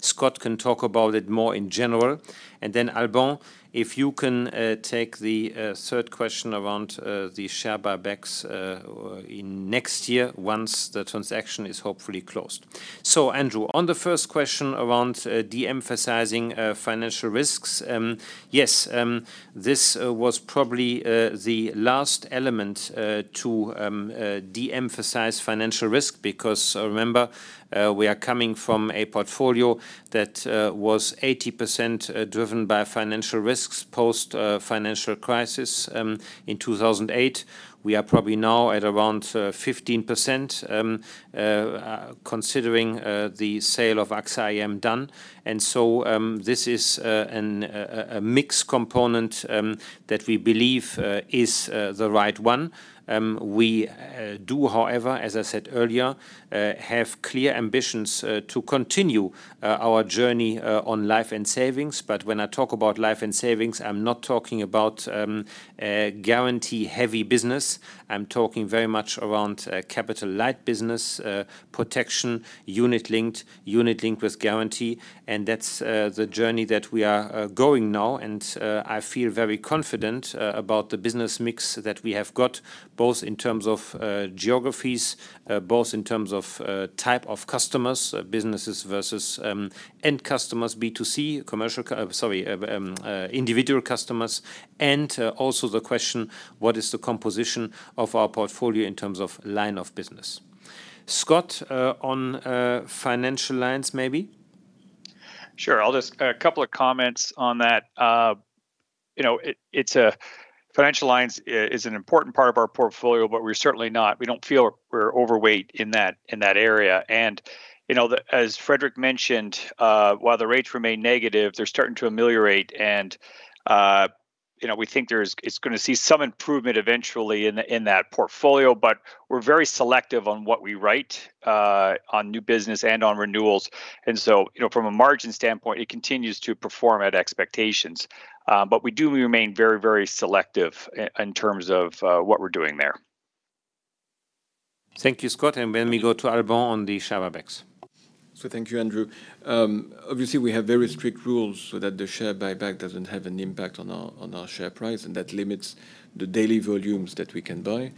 Scott can talk about it more in general. And then, Alban, if you can take the third question around the share buybacks in next year once the transaction is hopefully closed. So, Andrew, on the first question around de-emphasizing financial risks, yes, this was probably the last element to de-emphasize financial risk because remember, we are coming from a portfolio that was 80% driven by financial risks post financial crisis in 2008. We are probably now at around 15%, considering the sale of AXA IM done. And so, this is a mixed component that we believe is the right one. We do, however, as I said earlier, have clear ambitions to continue our journey on Life & Savings, but when I talk about Life & Savings, I'm not talking about a guarantee-heavy business. I'm talking very much around capital-light business, protection, unit linked, unit linked with guarantee, and that's the journey that we are going now. And, I feel very confident about the business mix that we have got, both in terms of geographies, both in terms of type of customers, businesses versus end customers, B2C, sorry, individual customers, and also the question: What is the composition of our portfolio in terms of line of business? Scott, on financial lines, maybe? Sure, I'll just... a couple of comments on that. You know, it, it's a... financial lines is an important part of our portfolio, but we're certainly not, we don't feel we're overweight in that, in that area. And, you know, as Frédéric mentioned, while the rates remain negative, they're starting to ameliorate, and, you know, we think it's gonna see some improvement eventually in, in that portfolio. But we're very selective on what we write, on new business and on renewals. And so, you know, from a margin standpoint, it continues to perform at expectations. But we do remain very, very selective in terms of, what we're doing there. Thank you, Scott, and then we go to Alban on the share buybacks.... So thank you, Andrew. Obviously, we have very strict rules so that the share buyback doesn't have an impact on our, on our share price, and that limits the daily volumes that we can buy.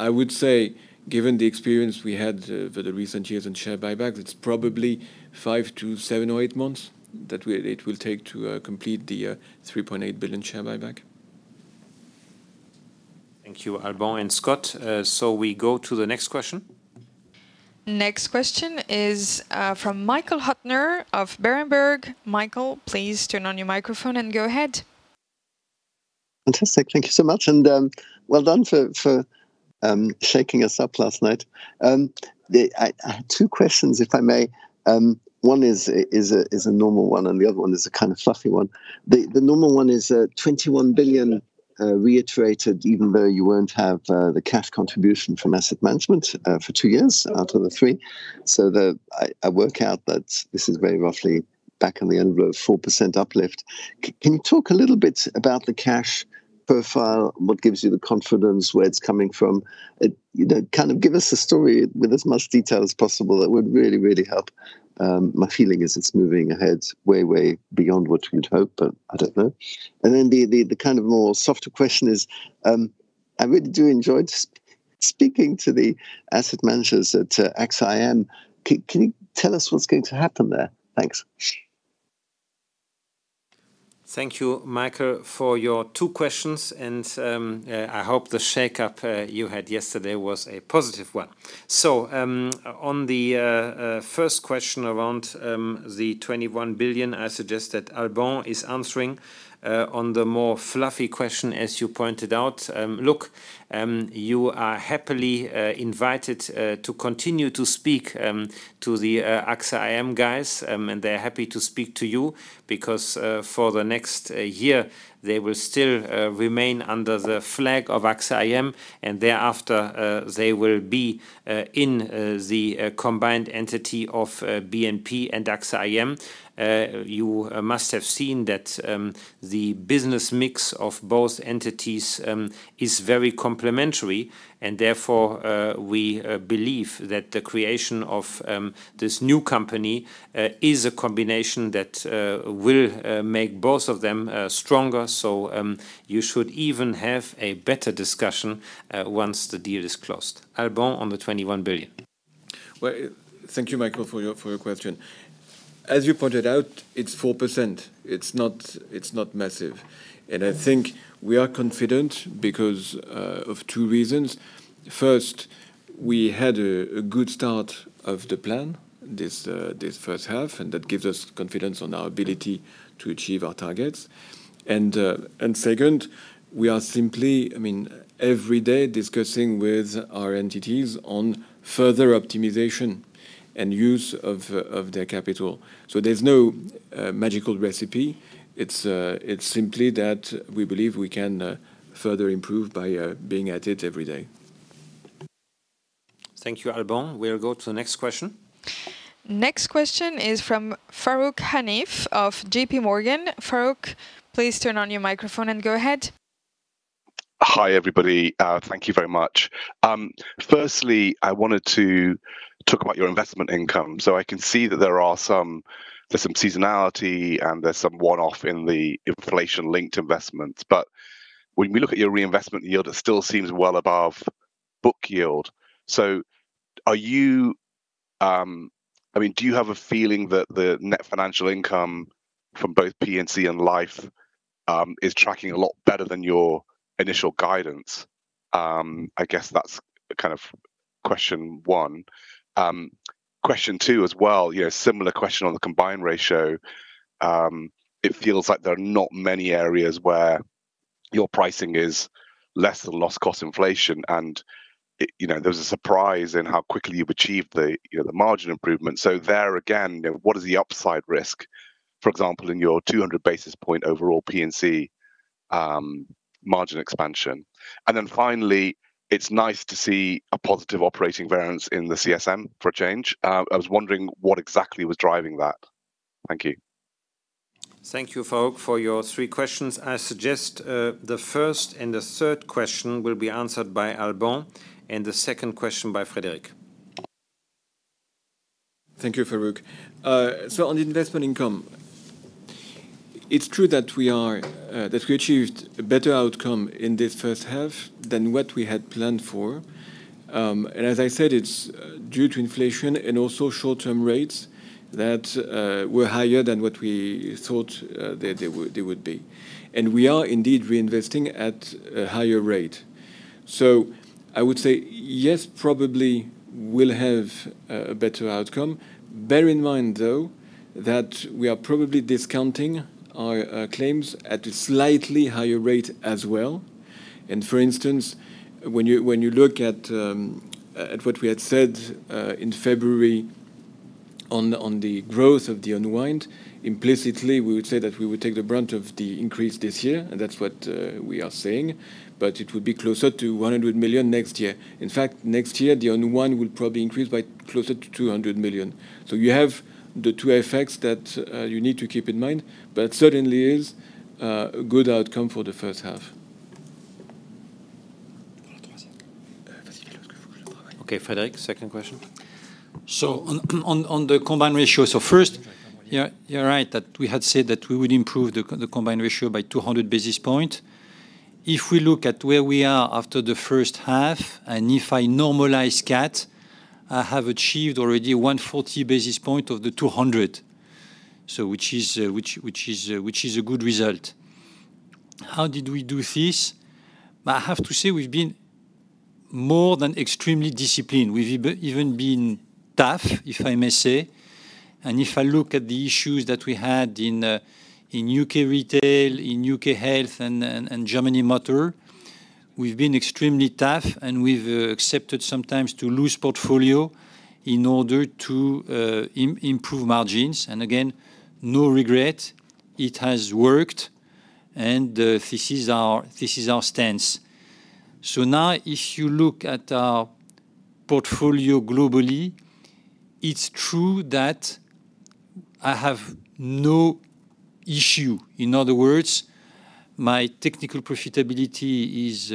I would say, given the experience we had, for the recent years in share buybacks, it's probably 5 to 7 or 8 months that we, it will take to, complete the, three point eight billion share buyback. Thank you, Alban and Scott. So we go to the next question. Next question is from Michael Huttner of Berenberg. Michael, please turn on your microphone and go ahead. Fantastic. Thank you so much, and well done for shaking us up last night. I have two questions, if I may. One is a normal one, and the other one is a kind of fluffy one. The normal one is 21 billion reiterated, even though you won't have the cash contribution from asset management for two years out of the three. So I work out that this is very roughly back-of-the-envelope 4% uplift. Can you talk a little bit about the cash profile, what gives you the confidence, where it's coming from? You know, kind of give us the story with as much detail as possible. That would really, really help. My feeling is it's moving ahead way, way beyond what you'd hope, but I don't know. And then the kind of more softer question is, I really do enjoy just speaking to the asset managers at AXA IM. Can you tell us what's going to happen there? Thanks. Thank you, Michael, for your two questions, and I hope the shake-up you had yesterday was a positive one. So, on the first question around the 21 billion, I suggest that Alban is answering. On the more fluffy question, as you pointed out, look, you are happily invited to continue to speak to the AXA IM guys, and they're happy to speak to you because, for the next year, they will still remain under the flag of AXA IM, and thereafter, they will be in the combined entity of BNP and AXA IM. You must have seen that the business mix of both entities is very complementary, and therefore, we believe that the creation of this new company is a combination that will make both of them stronger. So, you should even have a better discussion once the deal is closed. Alban, on the 21 billion. Well, thank you, Michael, for your question. As you pointed out, it's 4%. It's not massive, and I think we are confident because of two reasons. First, we had a good start of the plan, this first half, and that gives us confidence on our ability to achieve our targets. And second, we are simply, I mean, every day discussing with our entities on further optimization and use of their capital. So there's no magical recipe. It's simply that we believe we can further improve by being at it every day. Thank you, Alban. We'll go to the next question. Next question is from Farooq Hanif of J.P. Morgan. Farooq, please turn on your microphone and go ahead. Hi, everybody. Thank you very much. Firstly, I wanted to talk about your investment income. So I can see that there's some seasonality, and there's some one-off in the inflation-linked investments, but when we look at your reinvestment yield, it still seems well above book yield. So are you, I mean, do you have a feeling that the net financial income from both P&C and Life is tracking a lot better than your initial guidance? I guess that's kind of question one. Question two as well, you know, similar question on the combined ratio. It feels like there are not many areas where your pricing is less than loss cost inflation, and you know, there was a surprise in how quickly you've achieved the, you know, the margin improvement. So there again, you know, what is the upside risk, for example, in your 200 basis points overall P&C, margin expansion? And then finally, it's nice to see a positive operating variance in the CSM for a change. I was wondering what exactly was driving that. Thank you. Thank you, Farooq, for your three questions. I suggest, the first and the third question will be answered by Alban and the second question by Frédéric. Thank you, Farooq. So on the investment income, it's true that we are that we achieved a better outcome in this first half than what we had planned for. And as I said, it's due to inflation and also short-term rates that were higher than what we thought they would be. And we are indeed reinvesting at a higher rate. So I would say, yes, probably we'll have a better outcome. Bear in mind, though, that we are probably discounting our claims at a slightly higher rate as well. And for instance, when you look at what we had said in February on the growth of the unwind, implicitly, we would say that we would take the brunt of the increase this year, and that's what we are seeing, but it would be closer to 100 million next year. In fact, next year, the unwind will probably increase by closer to 200 million. So you have the two effects that you need to keep in mind, but it certainly is a good outcome for the first half. Okay, Frédéric, second question. So, on the combined ratio. So first, yeah, you're right, that we had said that we would improve the combined ratio by 200 basis points. If we look at where we are after the first half, and if I normalize CAT, I have achieved already 140 basis points of the 200, so which is a good result. How did we do this? I have to say we've been more than extremely disciplined. We've even been tough, if I may say. And if I look at the issues that we had in U.K. retail, in UK Health, and Germany motor, we've been extremely tough, and we've accepted sometimes to lose portfolio in order to improve margins. And again, no regret. It has worked, and, this is our, this is our stance. So now, if you look at our portfolio globally, it's true that I have no issue. In other words, my technical profitability is,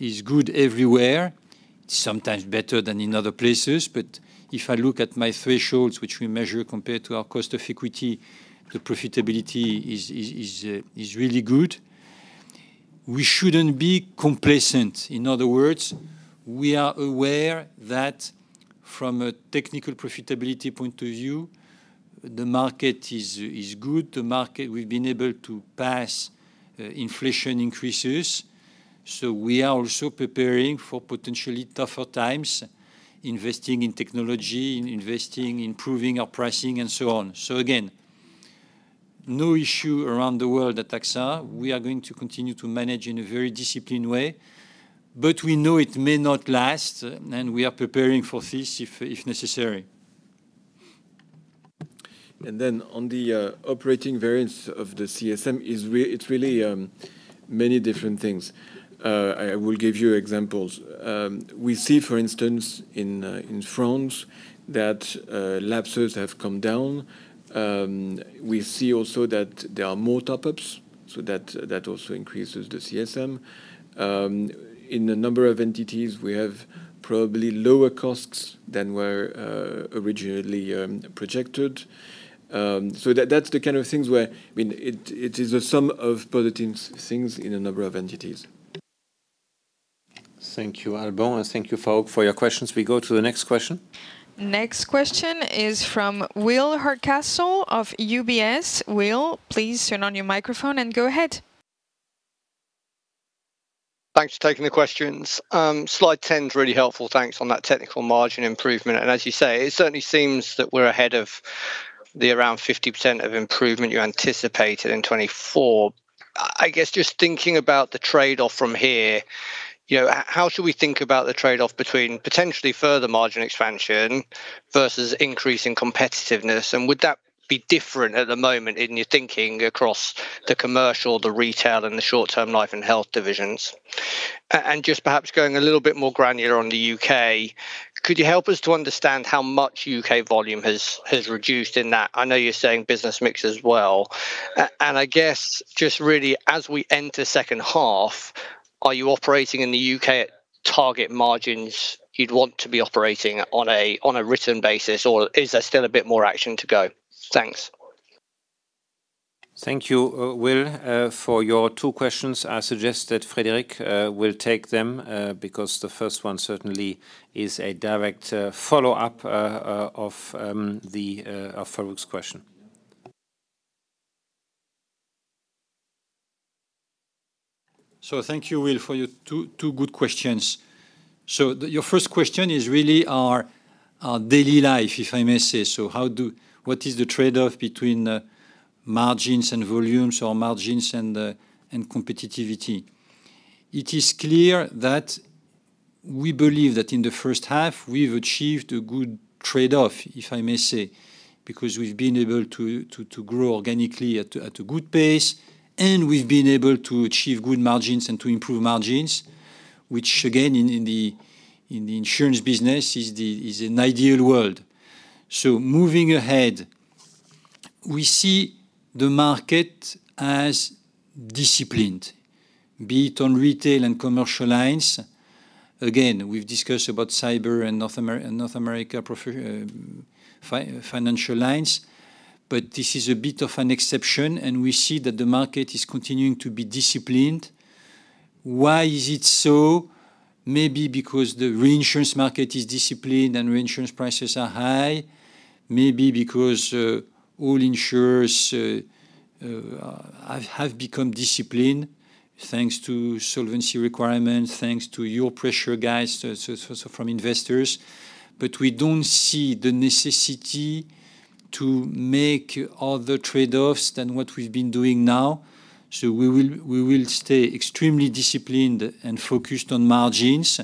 is good everywhere, sometimes better than in other places. But if I look at my thresholds, which we measure compared to our cost of equity, the profitability is, is, is, is really good. We shouldn't be complacent. In other words, we are aware that from a technical profitability point of view, the market is good. The market, we've been able to pass, inflation increases, so we are also preparing for potentially tougher times, investing in technology and investing in improving our pricing and so on. So again, no issue around the world at AXA. We are going to continue to manage in a very disciplined way, but we know it may not last, and we are preparing for this if necessary. And then on the operating variance of the CSM, it's really many different things. I will give you examples. We see, for instance, in France, that lapses have come down. We see also that there are more top-ups, so that also increases the CSM. In a number of entities, we have probably lower costs than were originally projected. So that's the kind of things where, I mean, it is a sum of positive things in a number of entities. Thank you, Alban, and thank you, Farooq, for your questions. We go to the next question. Next question is from Will Hardcastle of UBS. Will, please turn on your microphone and go ahead. Thanks for taking the questions. Slide 10 is really helpful, thanks, on that technical margin improvement. And as you say, it certainly seems that we're ahead of the around 50% of improvement you anticipated in 2024. I guess just thinking about the trade-off from here, you know, how should we think about the trade-off between potentially further margin expansion versus increasing competitiveness? And would that be different at the moment in your thinking across the commercial, the retail, and the short-term Life & Health divisions? And just perhaps going a little bit more granular on the UK, could you help us to understand how much UK volume has reduced in that? I know you're saying business mix as well. and I guess, just really, as we enter second half, are you operating in the UK at target margins you'd want to be operating on a, on a written basis, or is there still a bit more action to go? Thanks. Thank you, Will, for your two questions. I suggest that Frédéric will take them, because the first one certainly is a direct follow-up of Farooq's question. So thank you, Will, for your two good questions. Your first question is really our daily life, if I may say so. What is the trade-off between margins and volumes or margins and competitiveness? It is clear that we believe that in the first half, we've achieved a good trade-off, if I may say, because we've been able to grow organically at a good pace, and we've been able to achieve good margins and to improve margins, which again, in the insurance business, is an ideal world. So moving ahead, we see the market as disciplined, be it on retail and commercial lines. Again, we've discussed about cyber and North America financial lines, but this is a bit of an exception, and we see that the market is continuing to be disciplined. Why is it so? Maybe because the reinsurance market is disciplined and reinsurance prices are high. Maybe because all insurers have become disciplined thanks to solvency requirements, thanks to your pressure, guys, so, so, so from investors. But we don't see the necessity to make other trade-offs than what we've been doing now, so we will stay extremely disciplined and focused on margins.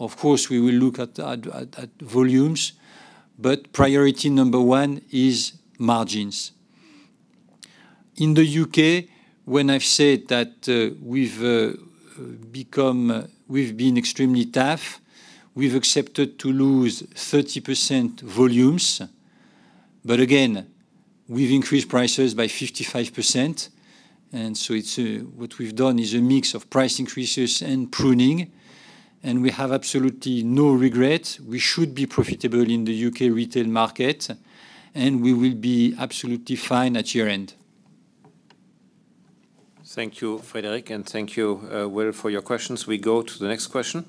Of course, we will look at volumes, but priority number one is margins. In the UK, when I've said that, we've become... We've been extremely tough, we've accepted to lose 30% volumes. But again, we've increased prices by 55%, and so it's what we've done is a mix of price increases and pruning, and we have absolutely no regrets. We should be profitable in the UK retail market, and we will be absolutely fine at year-end. Thank you, Frédéric, and thank you, well, for your questions. We go to the next question.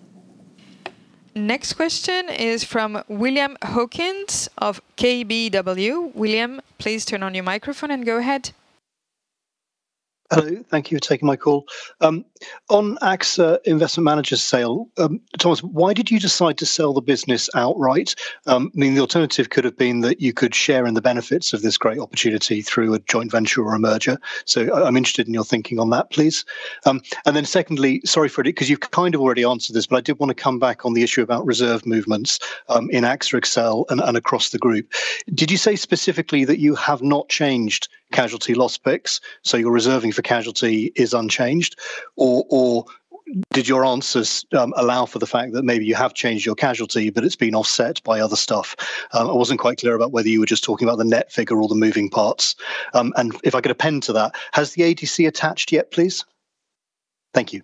Next question is from William Hawkins of KBW. William, please turn on your microphone and go ahead. Hello. Thank you for taking my call. On AXA Investment Managers sale, Thomas, why did you decide to sell the business outright? I mean, the alternative could have been that you could share in the benefits of this great opportunity through a joint venture or a merger. So I'm interested in your thinking on that, please. And then secondly, sorry, Frédéric, 'cause you've kind of already answered this, but I did want to come back on the issue about reserve movements in AXA XL and across the group. Did you say specifically that you have not changed casualty loss picks, so your reserving for casualty is unchanged? Or did your answers allow for the fact that maybe you have changed your casualty, but it's been offset by other stuff? I wasn't quite clear about whether you were just talking about the net figure or the moving parts. If I could append to that, has the ADC attached yet, please? Thank you.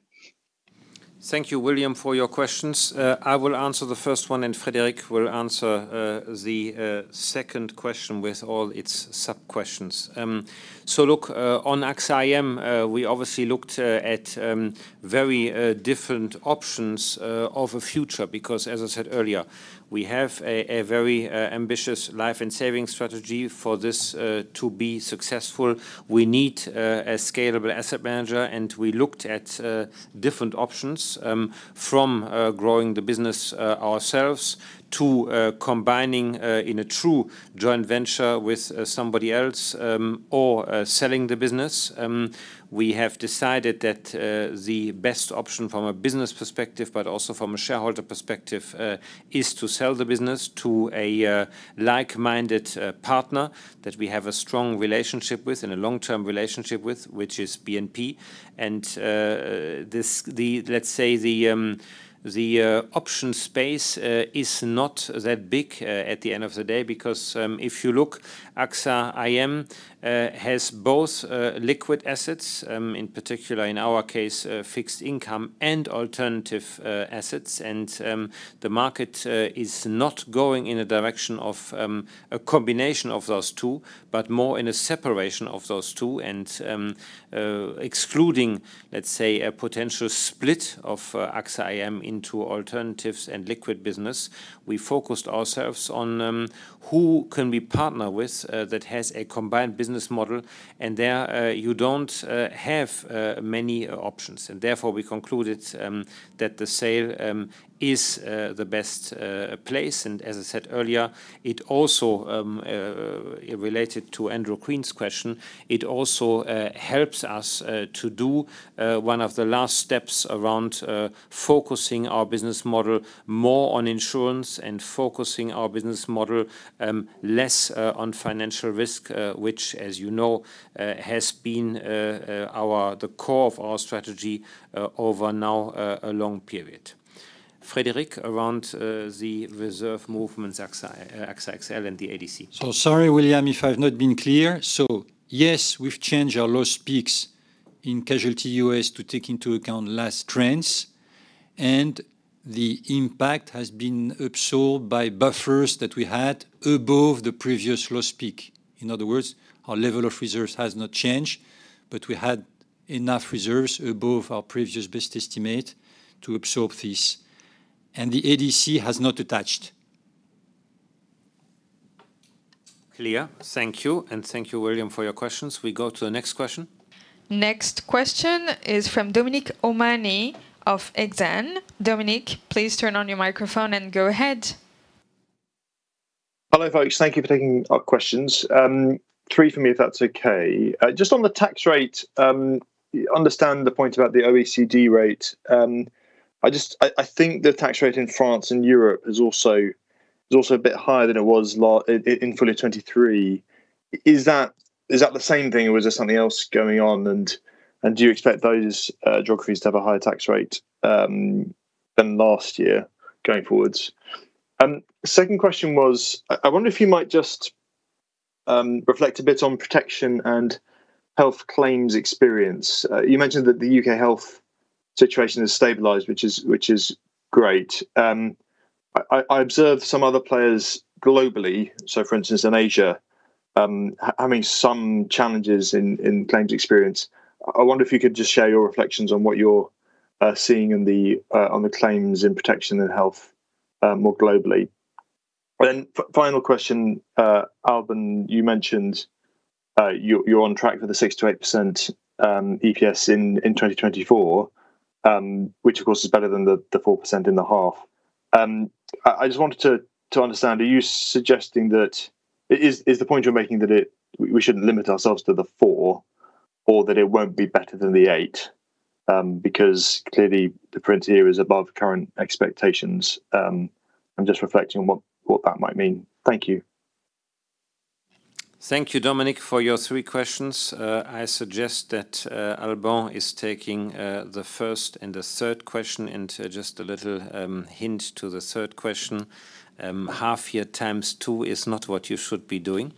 Thank you, William, for your questions. I will answer the first one, and Frédéric will answer the second question with all its sub-questions. So look, on AXA IM, we obviously looked at very different options of a future, because, as I said earlier, we have a very ambitious Life & Savings strategy. For this to be successful, we need a scalable asset manager, and we looked at different options from growing the business ourselves to combining in a true joint venture with somebody else or selling the business. We have decided that the best option from a business perspective, but also from a shareholder perspective, is to sell the business to a like-minded partner that we have a strong relationship with and a long-term relationship with, which is BNP. And this. Let's say, the option space is not that big at the end of the day, because if you look, AXA IM has both liquid assets, in particular, in our case, fixed income and alternative assets, and the market is not going in a direction of a combination of those two, but more in a separation of those two. Excluding, let's say, a potential split of AXA IM into alternatives and liquid business, we focused ourselves on who can we partner with that has a combined business model, and there you don't have many options. Therefore, we concluded that the sale is the best place. As I said earlier, it also related to Andrew Crean's question, it also helps us to do one of the last steps around focusing our business model more on insurance and focusing our business model less on financial risk, which, as you know, has been the core of our strategy over a long period. Frédéric, around the reserve movements, AXA XL and the ADC. So sorry, William, if I've not been clear. So, yes, we've changed our loss picks in casualty US to take into account latest trends, and the impact has been absorbed by buffers that we had above the previous loss pick. In other words, our level of reserves has not changed, but we had enough reserves above our previous best estimate to absorb this, and the ADC has not attached. Clear. Thank you, and thank you, William, for your questions. We go to the next question. Next question is from Dominic O'Mahony of Exane. Dominic, please turn on your microphone and go ahead. Hello, folks. Thank you for taking our questions. Three for me, if that's okay. Just on the tax rate, I understand the point about the OECD rate. I just... I think the tax rate in France and Europe is also a bit higher than it was in full year 2023. Is that the same thing, or is there something else going on? And do you expect those geographies to have a higher tax rate than last year going forwards? Second question was, I wonder if you might just reflect a bit on protection and health claims experience. You mentioned that the UK health situation has stabilized, which is great. I observed some other players globally, so for instance, in Asia, having some challenges in claims experience. I wonder if you could just share your reflections on what you're seeing on the claims in protection and health more globally. Then final question, Alban, you mentioned you're on track for the 6%-8% EPS in 2024, which of course is better than the 4% in the half. I just wanted to understand, are you suggesting that... Is the point you're making that we shouldn't limit ourselves to the 4, or that it won't be better than the 8? Because clearly the print here is above current expectations. I'm just reflecting on what that might mean. Thank you.... Thank you, Dominic, for your three questions. I suggest that Alban is taking the first and the third question. And just a little hint to the third question, half year times two is not what you should be doing.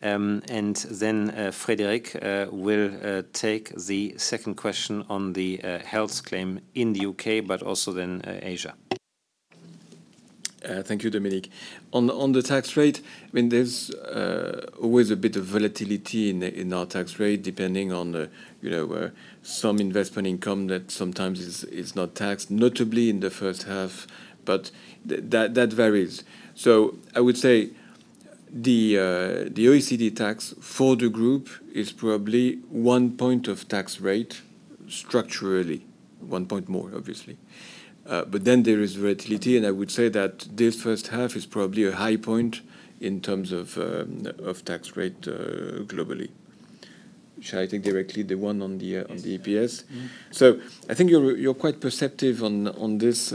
And then Frédéric will take the second question on the health claim in the UK, but also then Asia. Thank you, Dominic. On the, on the tax rate, I mean, there's always a bit of volatility in, in our tax rate, depending on the, you know, where some investment income that sometimes is, is not taxed, notably in the first half, but that, that varies. So I would say the, the OECD tax for the group is probably one point of tax rate, structurally. One point more, obviously. But then there is volatility, and I would say that this first half is probably a high point in terms of, of tax rate, globally. Shall I take directly the one on the, on the EPS? Mm-hmm. So I think you're quite perceptive on this,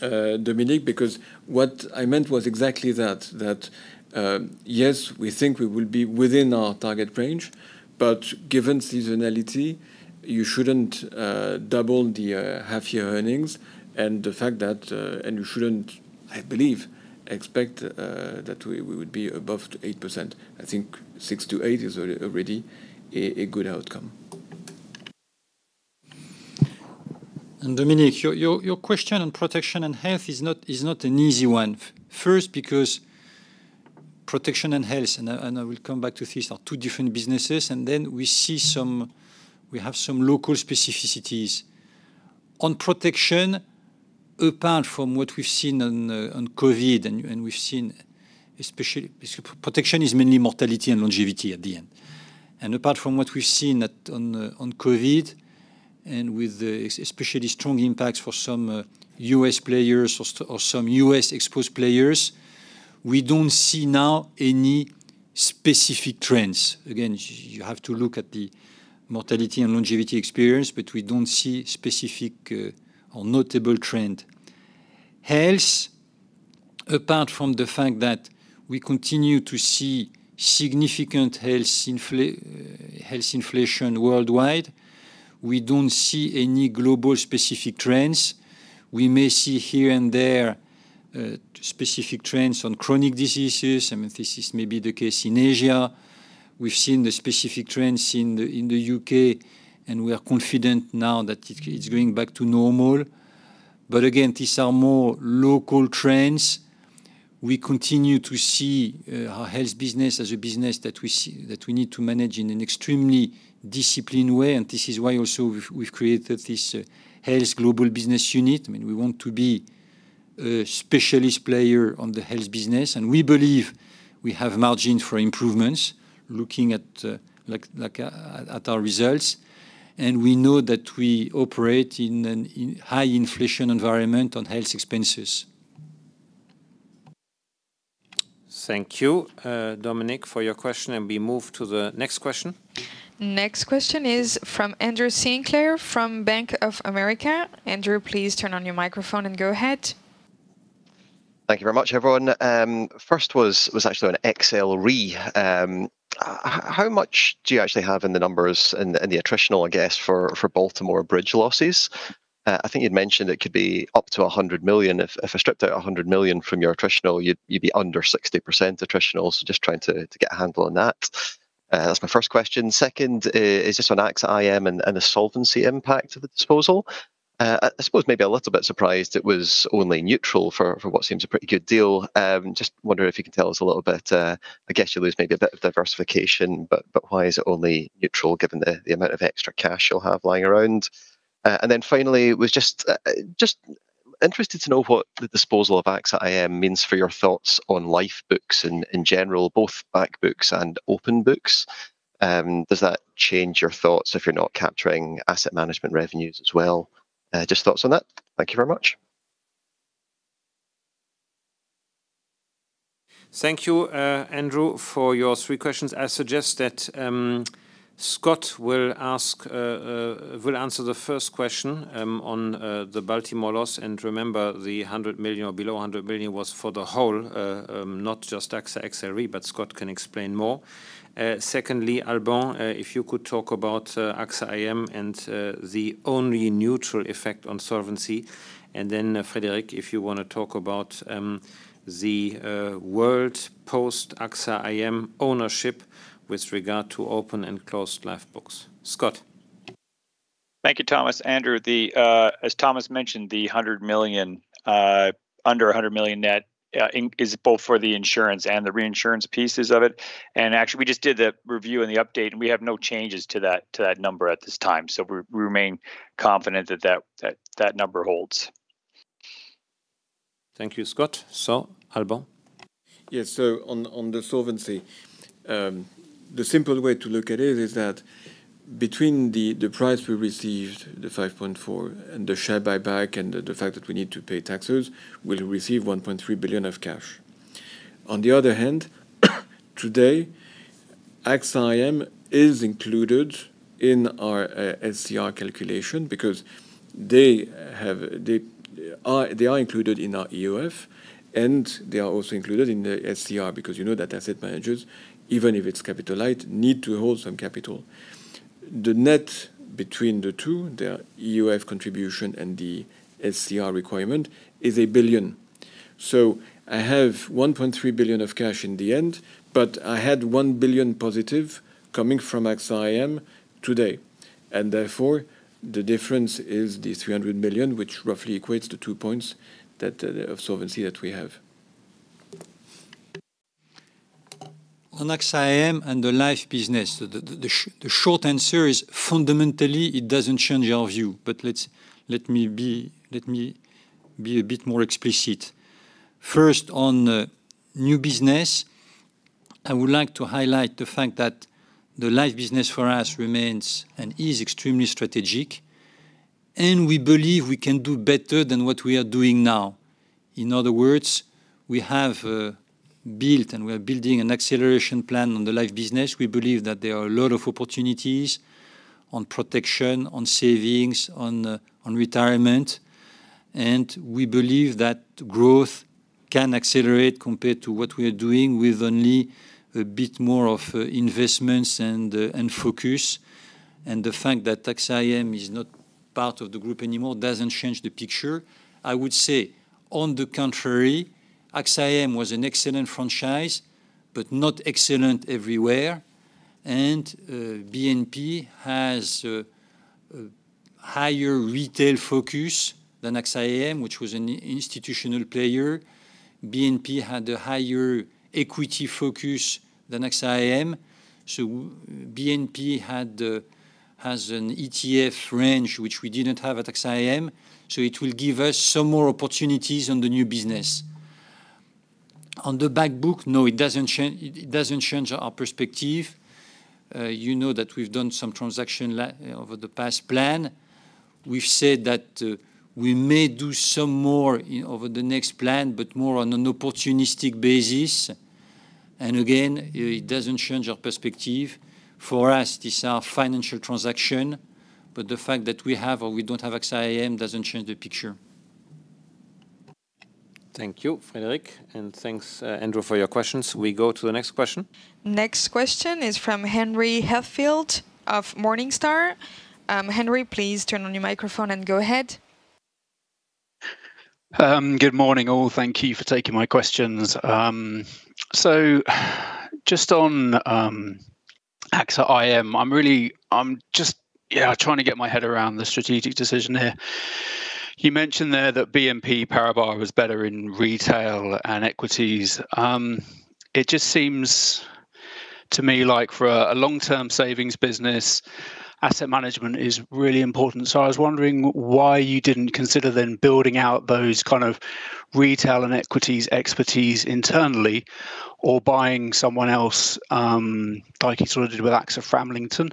Dominic, because what I meant was exactly that, yes, we think we will be within our target range, but given seasonality, you shouldn't double the half-year earnings and the fact that... You shouldn't, I believe, expect that we would be above 8%. I think 6%-8% is already a good outcome. And Dominic, your question on protection and health is not an easy one. First, because protection and health, and I will come back to this, are two different businesses, and then we see some, we have some local specificities. On protection, apart from what we've seen on COVID, and we've seen especially. Protection is mainly mortality and longevity at the end. And apart from what we've seen on COVID, and with especially strong impacts for some U.S. players or some U.S.-exposed players, we don't see now any specific trends. Again, you have to look at the mortality and longevity experience, but we don't see specific or notable trend. Health, apart from the fact that we continue to see significant health inflation worldwide, we don't see any global specific trends. We may see here and there, specific trends on chronic diseases, and this is maybe the case in Asia. We've seen the specific trends in the, in the UK, and we are confident now that it, it's going back to normal. But again, these are more local trends. We continue to see, our health business as a business that we see, that we need to manage in an extremely disciplined way, and this is why also we've, we've created this, Health Global Business Unit. I mean, we want to be a specialist player on the health business, and we believe we have margin for improvements, looking at, like, like, at our results, and we know that we operate in an in-- high inflation environment on health expenses. Thank you, Dominic, for your question, and we move to the next question. Next question is from Andrew Sinclair from Bank of America. Andrew, please turn on your microphone and go ahead. Thank you very much, everyone. First was actually on XL Re. How much do you actually have in the numbers and the attritional, I guess, for Baltimore Bridge losses? I think you'd mentioned it could be up to $100 million. If I stripped out $100 million from your attritional, you'd be under 60% attritional. So just trying to get a handle on that. That's my first question. Second is just on AXA IM and the solvency impact of the disposal. I suppose maybe a little bit surprised it was only neutral for what seems a pretty good deal. Just wondering if you can tell us a little bit... I guess you lose maybe a bit of diversification, but why is it only neutral given the amount of extra cash you'll have lying around? And then finally, I was just interested to know what the disposal of AXA IM means for your thoughts on life books in general, both back books and open books. Does that change your thoughts if you're not capturing asset management revenues as well? Just thoughts on that. Thank you very much. Thank you, Andrew, for your three questions. I suggest that Scott will answer the first question on the Baltimore loss. And remember, the $100 million or below $100 million was for the whole, not just AXA XL Re, but Scott can explain more. Secondly, Alban, if you could talk about AXA IM and the only neutral effect on solvency. And then, Frédéric, if you want to talk about the world post-AXA IM ownership with regard to open and closed life books. Scott? Thank you, Thomas. Andrew, as Thomas mentioned, the 100 million, under a 100 million net, is both for the insurance and the reinsurance pieces of it. Actually, we just did the review and the update, and we have no changes to that, to that number at this time. So we remain confident that that number holds. Thank you, Scott. So, Alban? Yes, so on the solvency, the simple way to look at it is that between the price we received, the 5.4 billion, and the share buyback and the fact that we need to pay taxes, we'll receive 1.3 billion of cash. On the other hand, today-... AXA IM is included in our SCR calculation because they are, they are included in our EOF, and they are also included in the SCR, because you know that asset managers, even if it's capital light, need to hold some capital. The net between the two, their EOF contribution and the SCR requirement, is 1 billion. So I have 1.3 billion of cash in the end, but I had 1 billion positive coming from AXA IM today, and therefore, the difference is the 300 million, which roughly equates to 2 points that of solvency that we have. On AXA IM and the life business, the short answer is, fundamentally, it doesn't change our view. But let me be a bit more explicit. First, on the new business, I would like to highlight the fact that the life business for us remains and is extremely strategic, and we believe we can do better than what we are doing now. In other words, we have built, and we are building an acceleration plan on the life business. We believe that there are a lot of opportunities on protection, on savings, on retirement, and we believe that growth can accelerate compared to what we are doing with only a bit more of investments and focus. And the fact that AXA IM is not part of the group anymore doesn't change the picture. I would say, on the contrary, AXA IM was an excellent franchise, but not excellent everywhere, and BNP has a higher retail focus than AXA IM, which was an institutional player. BNP had a higher equity focus than AXA IM, so BNP had, has an ETF range, which we didn't have at AXA IM, so it will give us some more opportunities on the new business. On the back book, no, it doesn't change, it, it doesn't change our perspective. You know that we've done some transaction over the past plan. We've said that we may do some more over the next plan, but more on an opportunistic basis, and again, it doesn't change our perspective. For us, this is our financial transaction, but the fact that we have or we don't have AXA IM doesn't change the picture. Thank you, Frédéric, and thanks, Andrew, for your questions. We go to the next question. Next question is from Henry Heathfield of Morningstar. Henry, please turn on your microphone and go ahead. Good morning, all. Thank you for taking my questions. So, just on AXA IM, I'm really... I'm just, yeah, trying to get my head around the strategic decision here. You mentioned there that BNP Paribas was better in retail and equities. It just seems to me like for a long-term savings business, asset management is really important. So I was wondering why you didn't consider then building out those kind of retail and equities expertise internally or buying someone else, like you sort of did with AXA Framlington,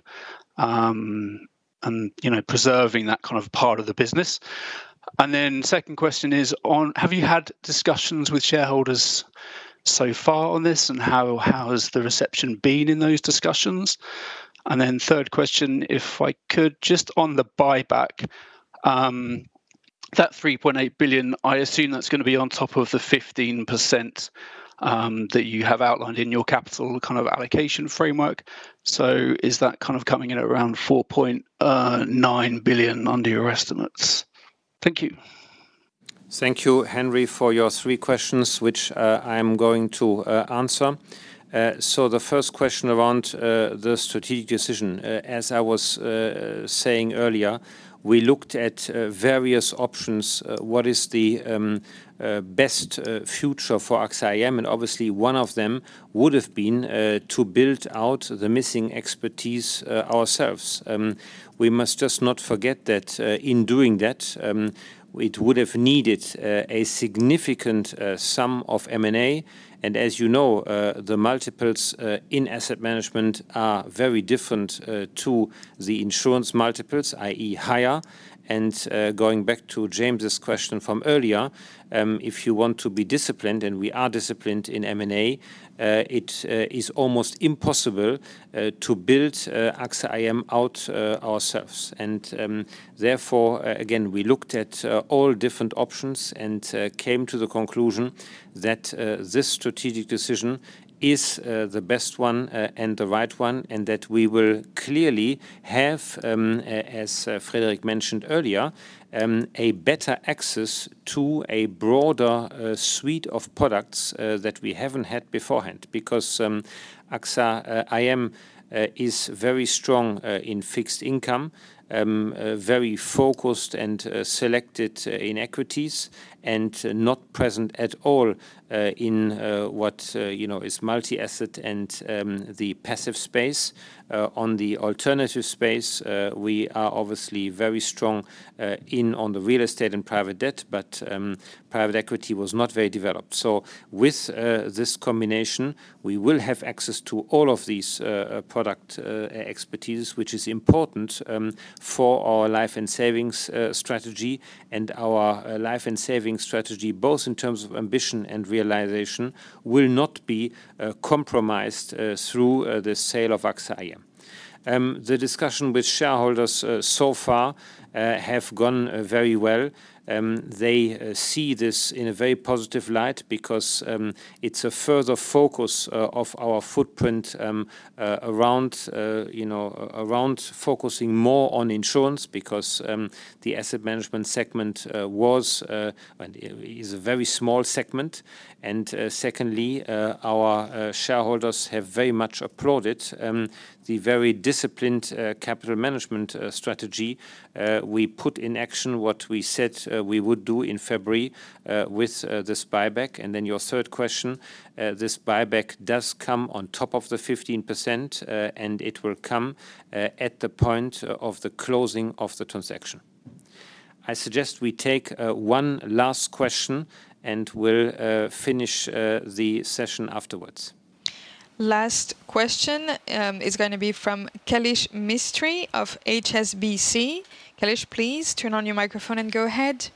and, you know, preserving that kind of part of the business? And then second question is on, have you had discussions with shareholders so far on this, and how, how has the reception been in those discussions? Then third question, if I could, just on the buyback, that 3.8 billion, I assume that's gonna be on top of the 15%, that you have outlined in your capital kind of allocation framework. So is that kind of coming in at around 4.9 billion under your estimates? Thank you. Thank you, Henry, for your three questions, which I'm going to answer. So the first question around the strategic decision. As I was saying earlier, we looked at various options, what is the best future for AXA IM, and obviously, one of them would've been to build out the missing expertise ourselves. We must just not forget that, in doing that, it would have needed a significant sum of M&A, and as you know, the multiples in asset management are very different to the insurance multiples, i.e., higher. And going back to James's question from earlier, if you want to be disciplined, and we are disciplined in M&A, it is almost impossible to build AXA IM out ourselves. Therefore, again, we looked at all different options and came to the conclusion that this strategic decision is the best one and the right one, and that we will clearly have, as Frédéric mentioned earlier, a better access to a broader suite of products that we haven't had beforehand. Because AXA IM is very strong in fixed income, very focused and selected in equities, and not present at all in what you know is multi-asset and the passive space. On the alternative space, we are obviously very strong in on the real estate and private debt, but private equity was not very developed. So with this combination, we will have access to all of these product expertise, which is important for our Life & Savings strategy. And our Life & Savings strategy, both in terms of ambition and realization, will not be compromised through the sale of AXA IM. The discussion with shareholders so far have gone very well. They see this in a very positive light because it's a further focus of our footprint around you know around focusing more on insurance, because the asset management segment was and is a very small segment. And secondly, our shareholders have very much applauded the very disciplined capital management strategy. We put in action what we said we would do in February with this buyback. And then your third question, this buyback does come on top of the 15%, and it will come at the point of the closing of the transaction. I suggest we take one last question, and we'll finish the session afterwards. Last question, is going to be from Kailesh Mistry of HSBC. Kailesh, please turn on your microphone and go ahead.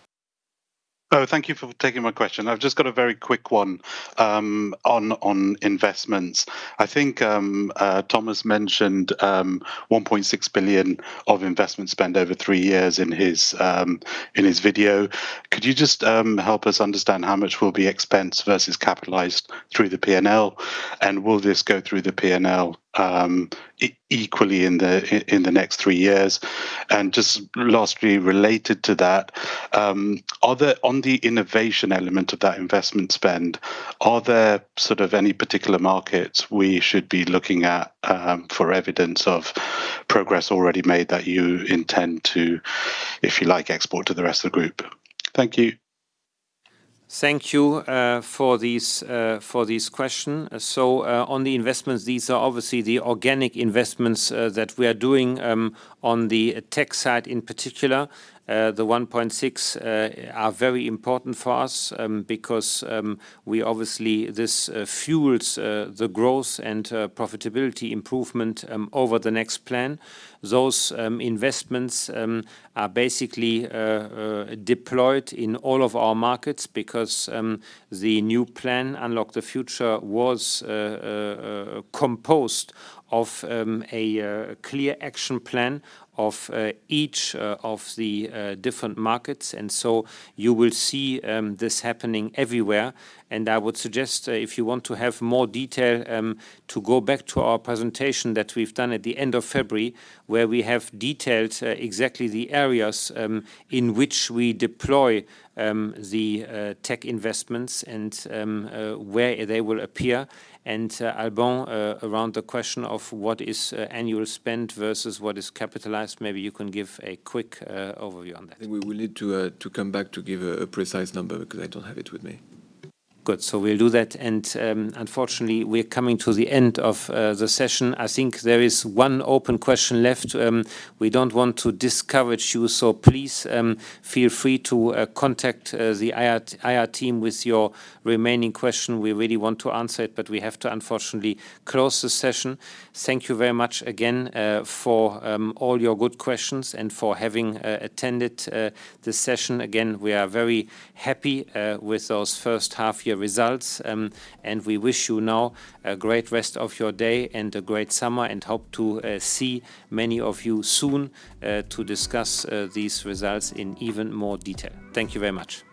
Oh, thank you for taking my question. I've just got a very quick one, on investments. I think, Thomas mentioned, one point six billion of investment spend over three years in his, in his video. Could you just, help us understand how much will be expensed versus capitalized through the P&L? And will this go through the P&L, equally in the, in, in the next three years? And just lastly, related to that, are there... On the innovation element of that investment spend, are there sort of any particular markets we should be looking at, for evidence of progress already made that you intend to, if you like, export to the rest of the group? Thank you. Thank you for these questions. So on the investments, these are obviously the organic investments that we are doing on the tech side in particular. The 1.6 are very important for us because we obviously this fuels the growth and profitability improvement over the next plan. Those investments are basically deployed in all of our markets because the new plan, Unlock the Future, was composed of a clear action plan of each of the different markets. And so you will see this happening everywhere. And I would suggest, if you want to have more detail, to go back to our presentation that we've done at the end of February, where we have detailed exactly the areas in which we deploy the tech investments and where they will appear. And, Alban, around the question of what is annual spend versus what is capitalized, maybe you can give a quick overview on that. I think we will need to come back to give a precise number, because I don't have it with me. Good. So we'll do that. And, unfortunately, we're coming to the end of the session. I think there is one open question left. We don't want to discourage you, so please feel free to contact the IR team with your remaining question. We really want to answer it, but we have to unfortunately close the session. Thank you very much again for all your good questions and for having attended this session. Again, we are very happy with those first half year results. And we wish you now a great rest of your day and a great summer, and hope to see many of you soon to discuss these results in even more detail. Thank you very much.